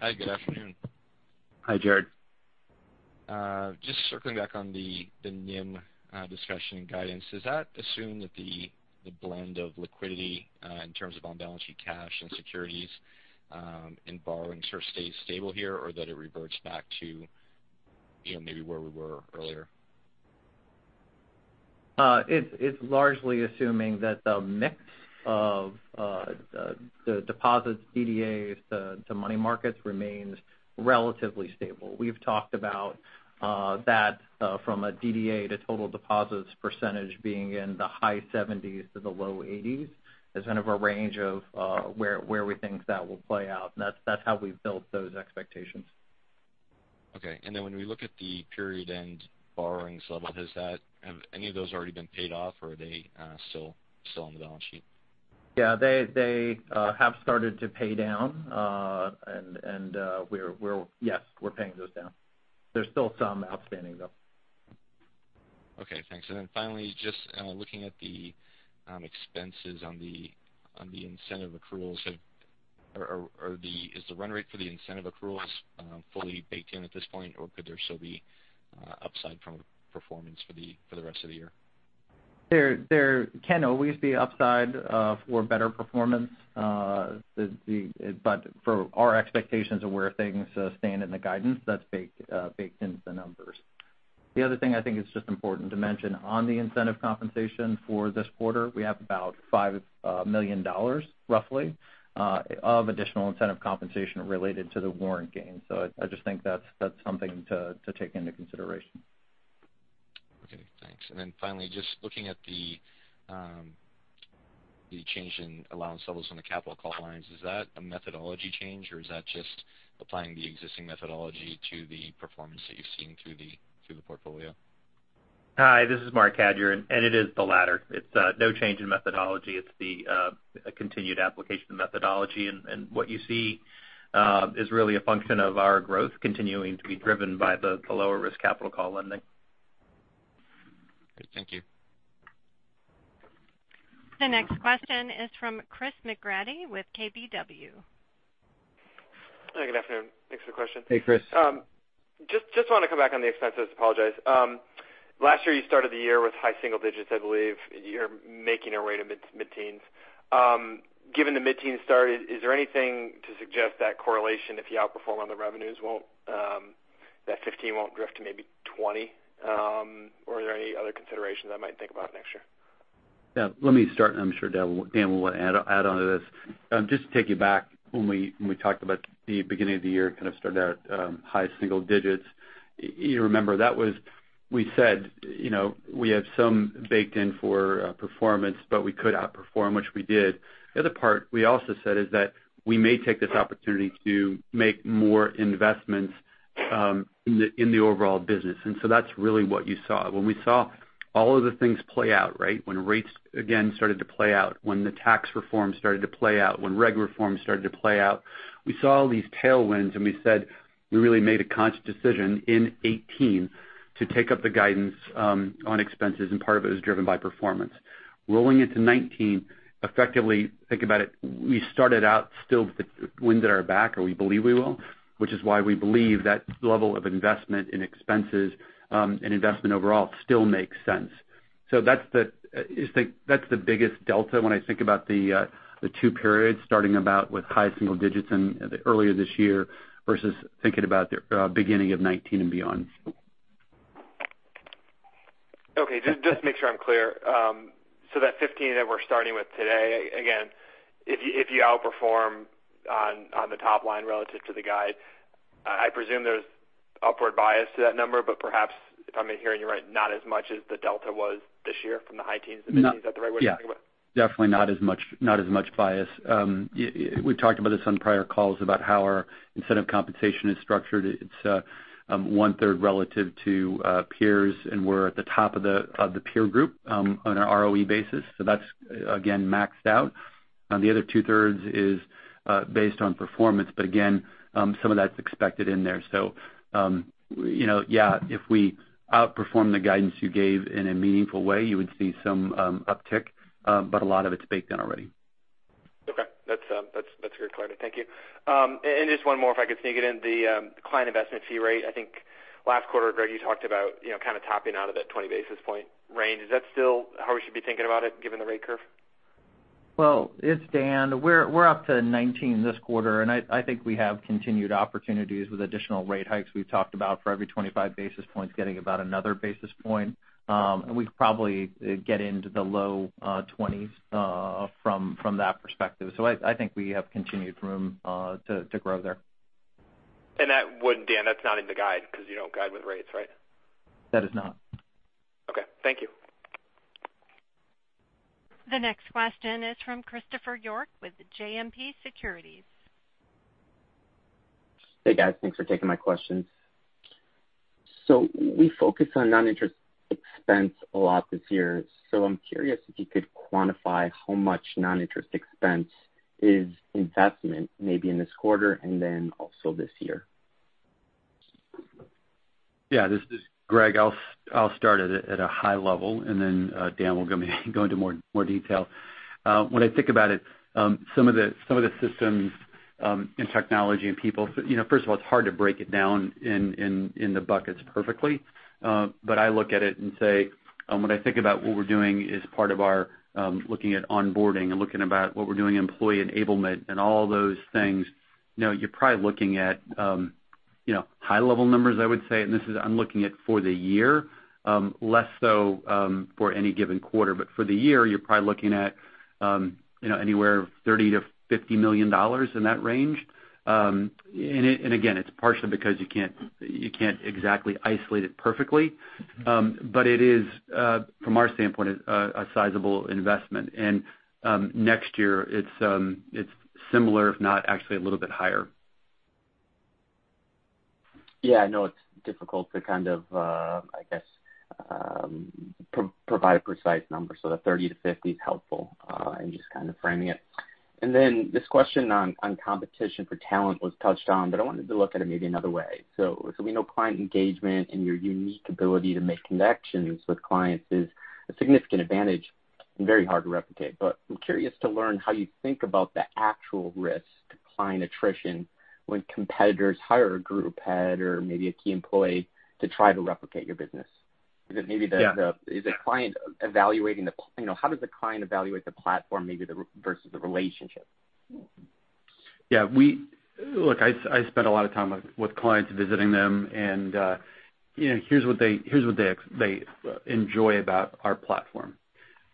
Hi, good afternoon. Hi, Jared. Just circling back on the NIM discussion and guidance. Does that assume that the blend of liquidity in terms of on-balance sheet cash and securities and borrowings sort of stays stable here or that it reverts back to maybe where we were earlier? It's largely assuming that the mix of the deposits DDAs to money markets remains relatively stable. We've talked about that from a DDA to total deposits % being in the high 70s to the low 80s as kind of a range of where we think that will play out. That's how we've built those expectations. Okay. When we look at the period-end borrowings level, have any of those already been paid off or are they still on the balance sheet? Yeah, they have started to pay down. Yes, we're paying those down. There's still some outstanding, though. Okay, thanks. Finally, just looking at the expenses on the incentive accruals. Is the run rate for the incentive accruals fully baked in at this point, or could there still be upside from performance for the rest of the year? There can always be upside for better performance. For our expectations of where things stand in the guidance, that's baked into the numbers. The other thing I think is just important to mention on the incentive compensation for this quarter, we have about $5 million roughly of additional incentive compensation related to the warrant gain. I just think that's something to take into consideration. Okay, thanks. Finally, just looking at the change in allowance levels on the capital call lines, is that a methodology change or is that just applying the existing methodology to the performance that you're seeing through the portfolio? Hi, this is Marc Cadieux. It is the latter. It's no change in methodology. It's the continued application methodology. What you see is really a function of our growth continuing to be driven by the lower risk capital call lending. Great. Thank you. The next question is from Chris McGratty with KBW. Hi, good afternoon. Thanks for the question. Hey, Chris. Just want to come back on the expenses. Apologize. Last year you started the year with high single digits, I believe. You're making your way to mid-teens. Given the mid-teen start, is there anything to suggest that correlation, if you outperform on the revenues, that 15 won't drift to maybe 20? Are there any other considerations I might think about next year? Yeah. Let me start, and I'm sure Dan will add onto this. Just to take you back when we talked about the beginning of the year, kind of started out, high single digits. You remember, that was we said we have some baked in for performance, but we could outperform, which we did. The other part we also said is that we may take this opportunity to make more investments in the overall business. That's really what you saw. When we saw all of the things play out, right? When rates again started to play out, when the tax reform started to play out, when reg reform started to play out. We saw all these tailwinds and we said we really made a conscious decision in 2018 to take up the guidance on expenses, and part of it was driven by performance. Rolling into 2019, effectively, think about it, we started out still with the wind at our back, or we believe we will, which is why we believe that level of investment in expenses and investment overall still makes sense. That's the biggest delta when I think about the two periods starting about with high single digits earlier this year versus thinking about the beginning of 2019 and beyond. Okay. Just make sure I'm clear. That 15 that we're starting with today, again, if you outperform on the top line relative to the guide, I presume there's upward bias to that number, but perhaps if I'm hearing you right, not as much as the delta was this year from the high teens to mid-teens. Is that the right way to think about it? Definitely not as much bias. We've talked about this on prior calls about how our incentive compensation is structured. It's one-third relative to peers, and we're at the top of the peer group on our ROE basis. That's again maxed out. Again, some of that's expected in there. Yeah, if we outperform the guidance you gave in a meaningful way, you would see some uptick. A lot of it's baked in already. That's very clear. Thank you. Just one more if I could sneak it in. The client investment fee rate, I think last quarter, Greg, you talked about kind of topping out of that 20 basis point range. Is that still how we should be thinking about it given the rate curve? It's Dan. We're up to 19 this quarter, I think we have continued opportunities with additional rate hikes we've talked about for every 25 basis points, getting about another basis point. We could probably get into the low 20s from that perspective. I think we have continued room to grow there. That wouldn't, Dan, that's not in the guide because you don't guide with rates, right? That is not. Okay. Thank you. The next question is from Christopher York with JMP Securities. Hey, guys. Thanks for taking my questions. We focus on non-interest expense a lot this year. I'm curious if you could quantify how much non-interest expense is investment maybe in this quarter and then also this year. Yeah. This is Greg. I'll start at a high level. Dan will go into more detail. When I think about it, some of the systems in technology and people, first of all, it's hard to break it down in the buckets perfectly. I look at it and say, when I think about what we're doing as part of our looking at onboarding and looking about what we're doing, employee enablement and all those things, you're probably looking at high level numbers, I would say. I'm looking at for the year less so for any given quarter, but for the year, you're probably looking at anywhere $30 million-$50 million in that range. Again, it's partially because you can't exactly isolate it perfectly. It is from our standpoint a sizable investment. Next year it's similar, if not actually a little bit higher. Yeah, I know it's difficult to provide a precise number. The 30-50 is helpful in just kind of framing it. This question on competition for talent was touched on, but I wanted to look at it maybe another way. We know client engagement and your unique ability to make connections with clients is a significant advantage and very hard to replicate. I'm curious to learn how you think about the actual risk to client attrition when competitors hire a group head or maybe a key employee to try to replicate your business. Yeah. How does the client evaluate the platform maybe versus the relationship? Yeah. Look, I spent a lot of time with clients visiting them. Here's what they enjoy about our platform.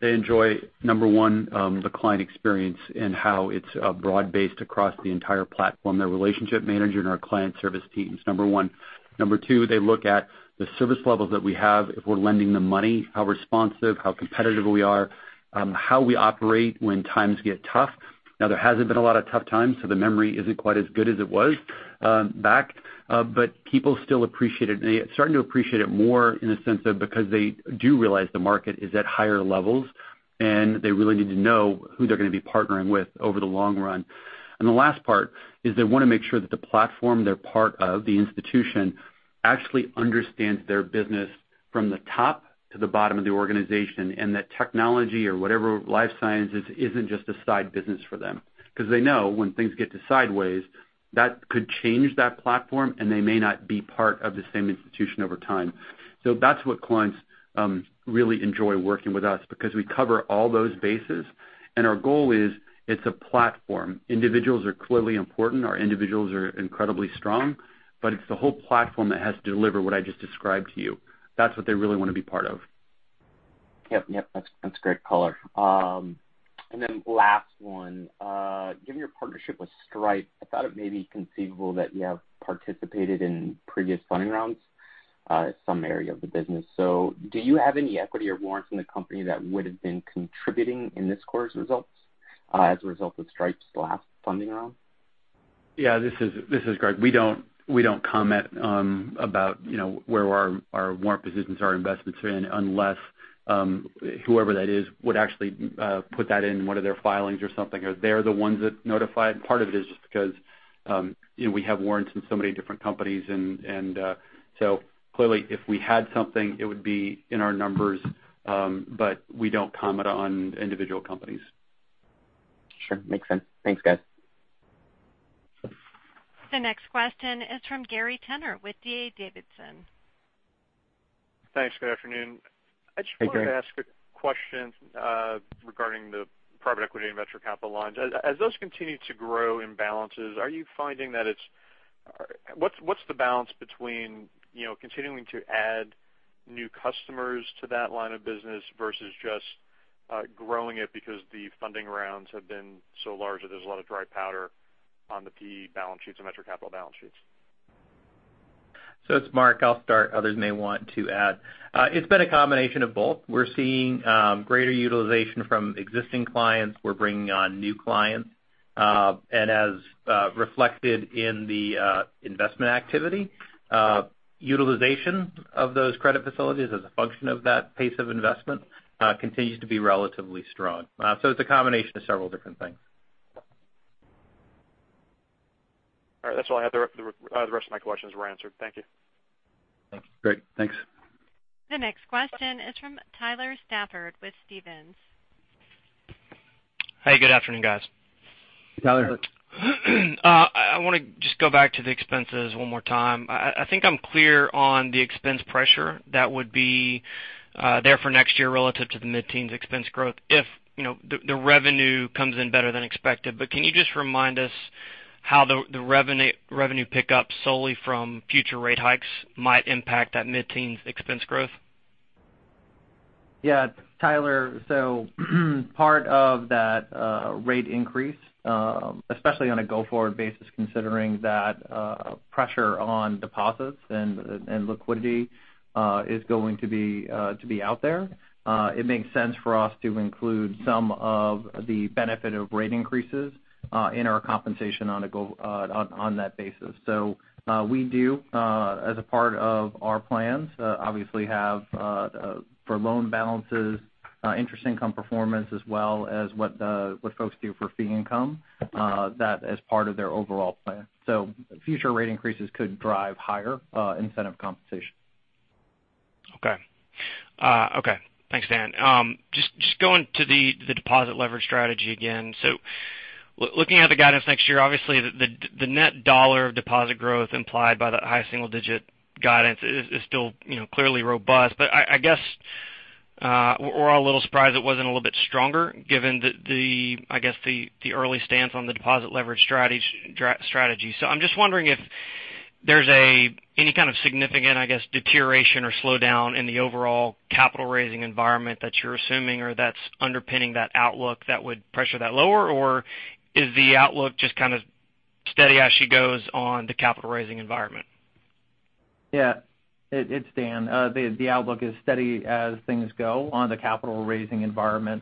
They enjoy, number one, the client experience and how it's broad-based across the entire platform, their relationship manager and our client service teams, number one. Number two, they look at the service levels that we have if we're lending them money, how responsive, how competitive we are, how we operate when times get tough. There hasn't been a lot of tough times, the memory isn't quite as good as it was back. People still appreciate it. They are starting to appreciate it more in the sense of because they do realize the market is at higher levels, they really need to know who they're going to be partnering with over the long run. The last part is they want to make sure that the platform they're part of, the institution, actually understands their business from the top to the bottom of the organization, and that technology or whatever life sciences isn't just a side business for them. They know when things get to sideways, that could change that platform, and they may not be part of the same institution over time. That's what clients really enjoy working with us because we cover all those bases, and our goal is it's a platform. Individuals are clearly important. Our individuals are incredibly strong. It's the whole platform that has to deliver what I just described to you. That's what they really want to be part of. Yep. That's great color. Last one. Given your partnership with Stripe, I thought it may be conceivable that you have participated in previous funding rounds, some area of the business. Do you have any equity or warrants in the company that would have been contributing in this quarter's results as a result of Stripe's last funding round? Yeah. This is Greg. We don't comment about where our warrant positions or our investments are in unless whoever that is would actually put that in one of their filings or something, or they're the ones that notify. Part of it is just because we have warrants in so many different companies, clearly if we had something, it would be in our numbers. We don't comment on individual companies. Sure. Makes sense. Thanks, guys. The next question is from Gary Tenner with D.A. Davidson. Thanks. Good afternoon. Hey, Gary. I just wanted to ask a question regarding the private equity and venture capital lines. As those continue to grow in balances, what's the balance between continuing to add new customers to that line of business versus just growing it because the funding rounds have been so large that there's a lot of dry powder on the PE balance sheets and venture capital balance sheets? It's Marc. I'll start. Others may want to add. It's been a combination of both. We're seeing greater utilization from existing clients. We're bringing on new clients. As reflected in the investment activity, utilization of those credit facilities as a function of that pace of investment continues to be relatively strong. It's a combination of several different things. All right. That's all I have. The rest of my questions were answered. Thank you. Great. Thanks. The next question is from Tyler Stafford with Stephens. Hey, good afternoon, guys. Tyler. I want to just go back to the expenses one more time. I think I'm clear on the expense pressure that would be there for next year relative to the mid-teens expense growth if the revenue comes in better than expected. Can you just remind us how the revenue pickup solely from future rate hikes might impact that mid-teen expense growth? Yeah, Tyler. Part of that rate increase especially on a go-forward basis considering that pressure on deposits and liquidity is going to be out there it makes sense for us to include some of the benefit of rate increases in our compensation on that basis. We do as a part of our plans obviously have for loan balances interest income performance as well as what folks do for fee income that as part of their overall plan. Future rate increases could drive higher incentive compensation. Okay. Thanks, Dan. Just going to the deposit leverage strategy again. Looking at the guidance next year, obviously the net dollar of deposit growth implied by that high single digit guidance is still clearly robust. I guess we're all a little surprised it wasn't a little bit stronger given the early stance on the deposit leverage strategy. I'm just wondering if there's any kind of significant, I guess, deterioration or slowdown in the overall capital-raising environment that you're assuming or that's underpinning that outlook that would pressure that lower? Is the outlook just kind of steady as she goes on the capital-raising environment? Yeah. It's Dan. The outlook is steady as things go on the capital-raising environment.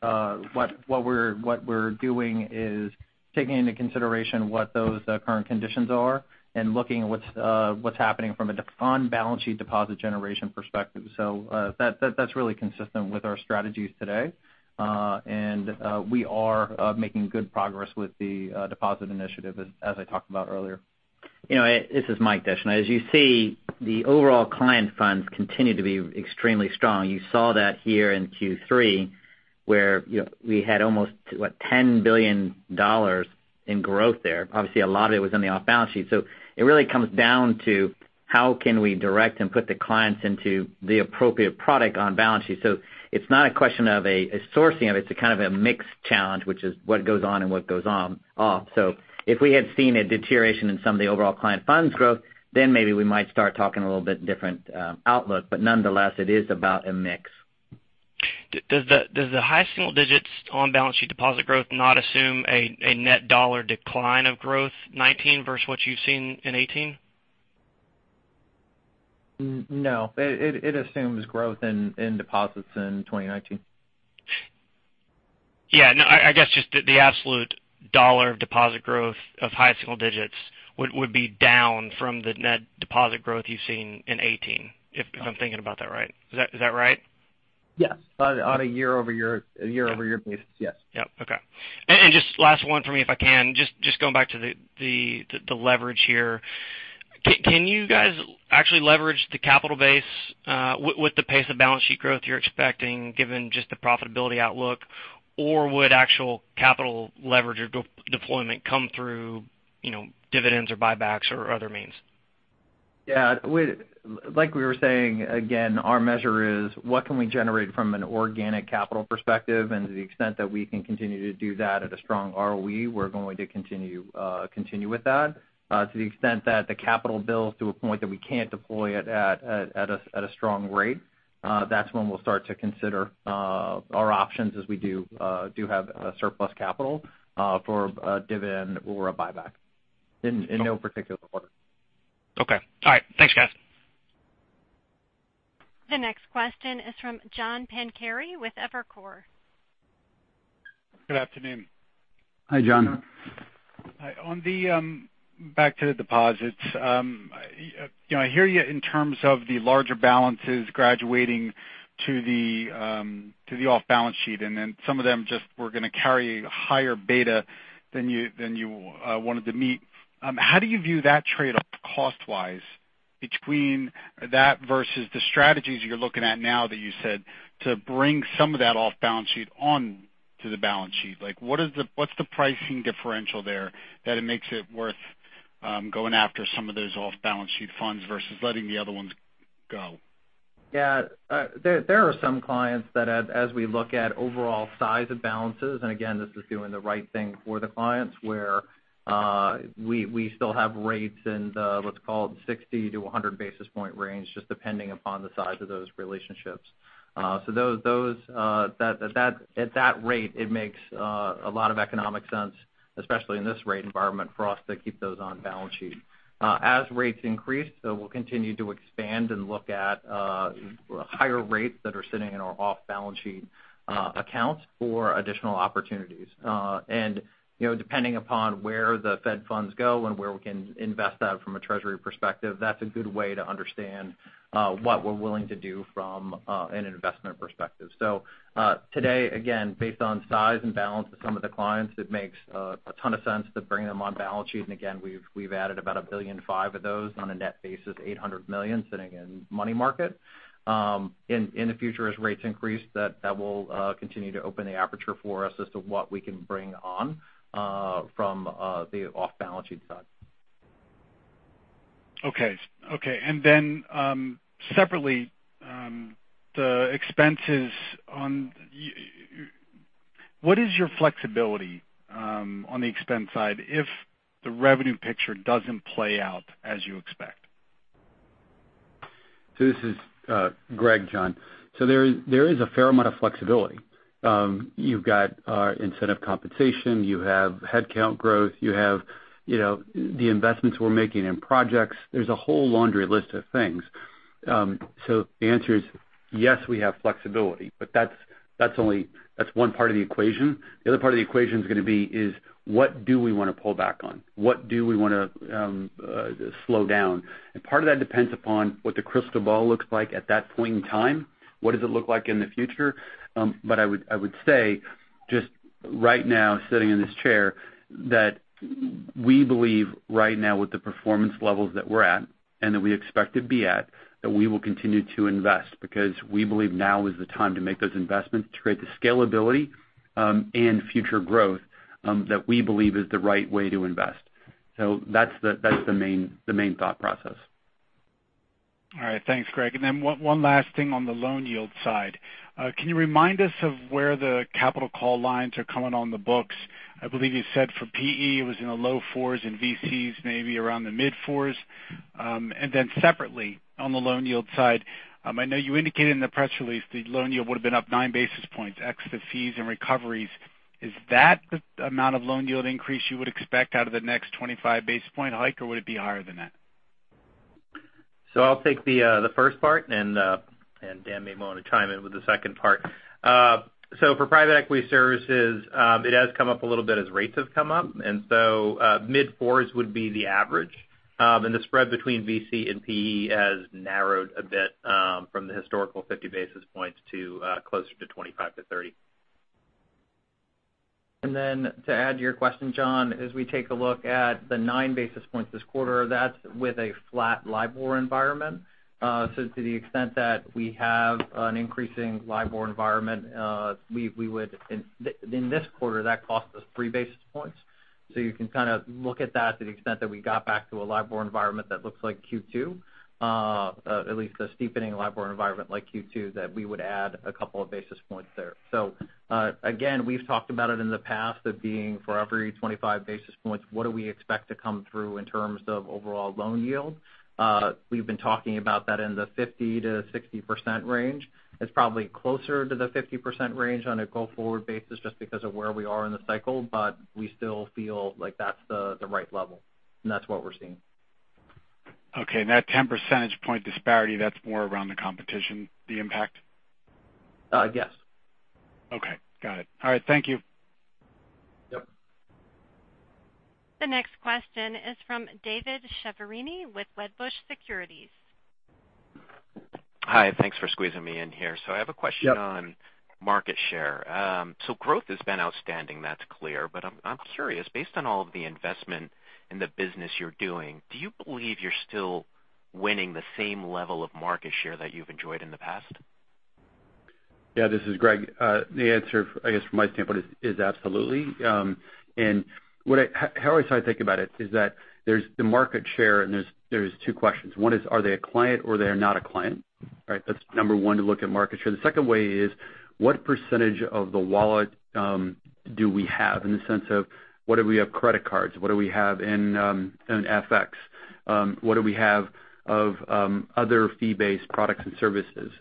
What we're doing is taking into consideration what those current conditions are and looking at what's happening from an on-balance sheet deposit generation perspective. That's really consistent with our strategies today. We are making good progress with the deposit initiative, as I talked about earlier. This is Michael Descheneaux. As you see, the overall client funds continue to be extremely strong. You saw that here in Q3 where we had almost $10 billion in growth there. Obviously, a lot of it was in the off-balance sheet. It really comes down to how can we direct and put the clients into the appropriate product on-balance sheet. It's not a question of a sourcing of it's a kind of a mixed challenge, which is what goes on and what goes off. If we had seen a deterioration in some of the overall client funds growth, then maybe we might start talking a little bit different outlook. Nonetheless, it is about a mix. Does the high single digits on balance sheet deposit growth not assume a net dollar decline of growth 2019 versus what you've seen in 2018? No. It assumes growth in deposits in 2019. Yeah. No, I guess just the absolute dollar of deposit growth of high single digits would be down from the net deposit growth you've seen in 2018, if I'm thinking about that right. Is that right? Yes. On a year-over-year basis, yes. Yep. Okay. Just last one for me, if I can, just going back to the leverage here. Can you guys actually leverage the capital base with the pace of balance sheet growth you're expecting given just the profitability outlook, or would actual capital leverage or deployment come through dividends or buybacks or other means? Yeah. Like we were saying, again, our measure is what can we generate from an organic capital perspective and to the extent that we can continue to do that at a strong ROE, we're going to continue with that. To the extent that the capital builds to a point that we can't deploy it at a strong rate, that's when we'll start to consider our options as we do have a surplus capital for a dividend or a buyback. In no particular order. Okay. All right. Thanks guys. The next question is from John Pancari with Evercore ISI. Good afternoon. Hi, John. Hi. Back to the deposits. I hear you in terms of the larger balances graduating to the off balance sheet, and then some of them just were going to carry a higher beta than you wanted to meet. How do you view that trade-off cost-wise between that versus the strategies you're looking at now that you said to bring some of that off balance sheet on to the balance sheet? What's the pricing differential there that it makes it worth going after some of those off balance sheet funds versus letting the other ones go? Yeah. There are some clients that as we look at overall size of balances, and again, this is doing the right thing for the clients, where we still have rates in the, let's call it, 60 to 100 basis point range, just depending upon the size of those relationships. At that rate, it makes a lot of economic sense, especially in this rate environment, for us to keep those on balance sheet. As rates increase, we'll continue to expand and look at higher rates that are sitting in our off balance sheet accounts for additional opportunities. Depending upon where the Fed funds go and where we can invest that from a treasury perspective, that's a good way to understand what we're willing to do from an investment perspective. Today, again, based on size and balance of some of the clients, it makes a ton of sense to bring them on balance sheet. Again, we've added about $1.5 billion of those on a net basis, $800 million sitting in money market. In the future, as rates increase, that will continue to open the aperture for us as to what we can bring on from the off balance sheet side. Okay. Separately, what is your flexibility on the expense side if the revenue picture doesn't play out as you expect? This is Greg, John. There is a fair amount of flexibility. You've got incentive compensation, you have headcount growth, you have the investments we're making in projects. There's a whole laundry list of things. The answer is, yes, we have flexibility, but that's one part of the equation. The other part of the equation is going to be is what do we want to pull back on? What do we want to slow down? Part of that depends upon what the crystal ball looks like at that point in time. What does it look like in the future? I would say, just right now, sitting in this chair, that we believe right now with the performance levels that we're at and that we expect to be at, that we will continue to invest because we believe now is the time to make those investments to create the scalability and future growth that we believe is the right way to invest. That's the main thought process. All right. Thanks, Greg. One last thing on the loan yield side. Can you remind us of where the capital call lines are coming on the books? I believe you said for PE it was in the low fours and VCs maybe around the mid fours. Separately, on the loan yield side, I know you indicated in the press release the loan yield would've been up nine basis points, ex the fees and recoveries. Is that the amount of loan yield increase you would expect out of the next 25 basis point hike, or would it be higher than that? I'll take the first part and Dan may want to chime in with the second part. For private equity services, it has come up a little bit as rates have come up. Mid fours would be the average. The spread between VC and PE has narrowed a bit from the historical 50 basis points to closer to 25 to 30. To add to your question, John Pancari, as we take a look at the nine basis points this quarter, that's with a flat LIBOR environment. To the extent that we have an increasing LIBOR environment, in this quarter, that cost us three basis points. You can kind of look at that to the extent that we got back to a LIBOR environment that looks like Q2, at least a steepening LIBOR environment like Q2, that we would add a couple of basis points there. Again, we've talked about it in the past of being for every 25 basis points, what do we expect to come through in terms of overall loan yield? We've been talking about that in the 50%-60% range. It's probably closer to the 50% range on a go forward basis just because of where we are in the cycle, but we still feel like that's the right level, and that's what we're seeing. Okay, that 10 percentage point disparity, that's more around the competition, the impact? Yes. Okay. Got it. All right. Thank you. Yep. The next question is from David Chiaverini with Wedbush Securities. Hi. Thanks for squeezing me in here. I have a question- Yep on market share. Growth has been outstanding, that's clear. I'm curious, based on all of the investment in the business you're doing, do you believe you're still winning the same level of market share that you've enjoyed in the past? Yeah, this is Greg. The answer, I guess from my standpoint is absolutely. How I try to think about it is that there's the market share and there's two questions. One is, are they a client or they are not a client, right? That's number one to look at market share. The second way is, what percentage of the wallet do we have in the sense of what do we have credit cards? What do we have in FX? What do we have of other fee-based products and services?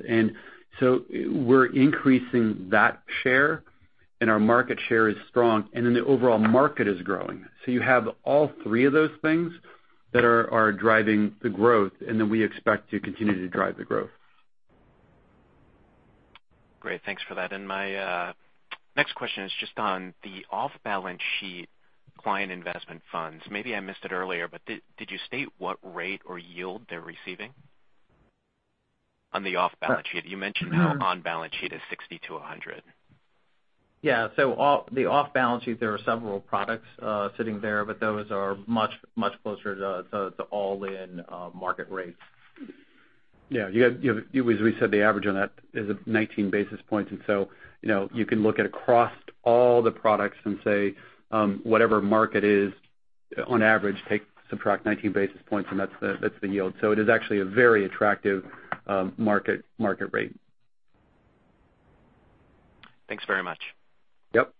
We're increasing that share, and our market share is strong, the overall market is growing. You have all three of those things that are driving the growth and that we expect to continue to drive the growth. Great. Thanks for that. My next question is just on the off-balance sheet client investment funds. Maybe I missed it earlier, but did you state what rate or yield they're receiving on the off-balance sheet? You mentioned how on-balance sheet is 60 to 100. Yeah. The off-balance sheet, there are several products sitting there, but those are much closer to all-in market rates. Yeah. As we said, the average on that is 19 basis points. You can look at across all the products and say, whatever market is on average, subtract 19 basis points, and that's the yield. It is actually a very attractive market rate. Thanks very much. Yep.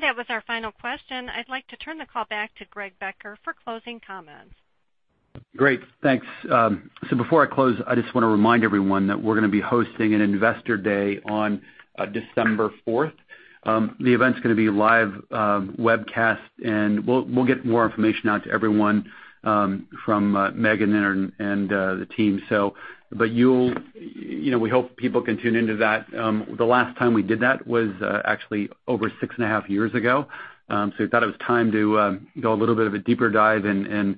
That was our final question. I'd like to turn the call back to Greg Becker for closing comments. Great, thanks. Before I close, I just want to remind everyone that we're going to be hosting an investor day on December 4th. The event's going to be live webcast, and we'll get more information out to everyone from Meghan and the team. We hope people can tune into that. The last time we did that was actually over six and a half years ago. We thought it was time to go a little bit of a deeper dive and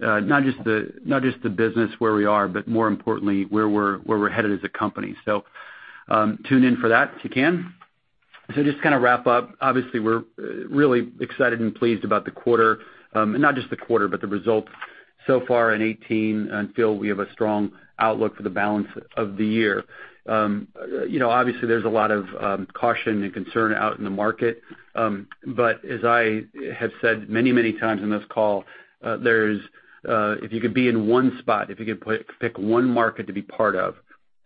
not just the business where we are, but more importantly, where we're headed as a company. Tune in for that if you can. Just to kind of wrap up, obviously we're really excited and pleased about the quarter. Not just the quarter, but the results so far in 2018 until we have a strong outlook for the balance of the year. Obviously there's a lot of caution and concern out in the market. As I have said many times in this call, if you could be in one spot, if you could pick one market to be part of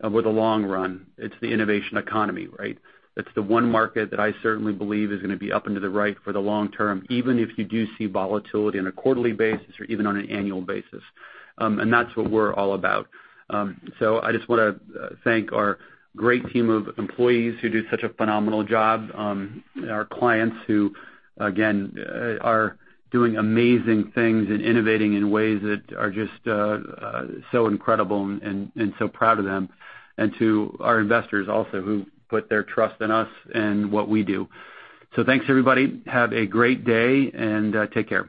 over the long run, it's the innovation economy, right? That's the one market that I certainly believe is going to be up into the right for the long term, even if you do see volatility on a quarterly basis or even on an annual basis. That's what we're all about. I just want to thank our great team of employees who do such a phenomenal job. Our clients who, again, are doing amazing things and innovating in ways that are just so incredible and so proud of them. To our investors also who put their trust in us and what we do. Thanks everybody. Have a great day and take care.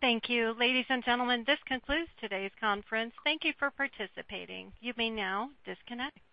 Thank you. Ladies and gentlemen, this concludes today's conference. Thank you for participating. You may now disconnect.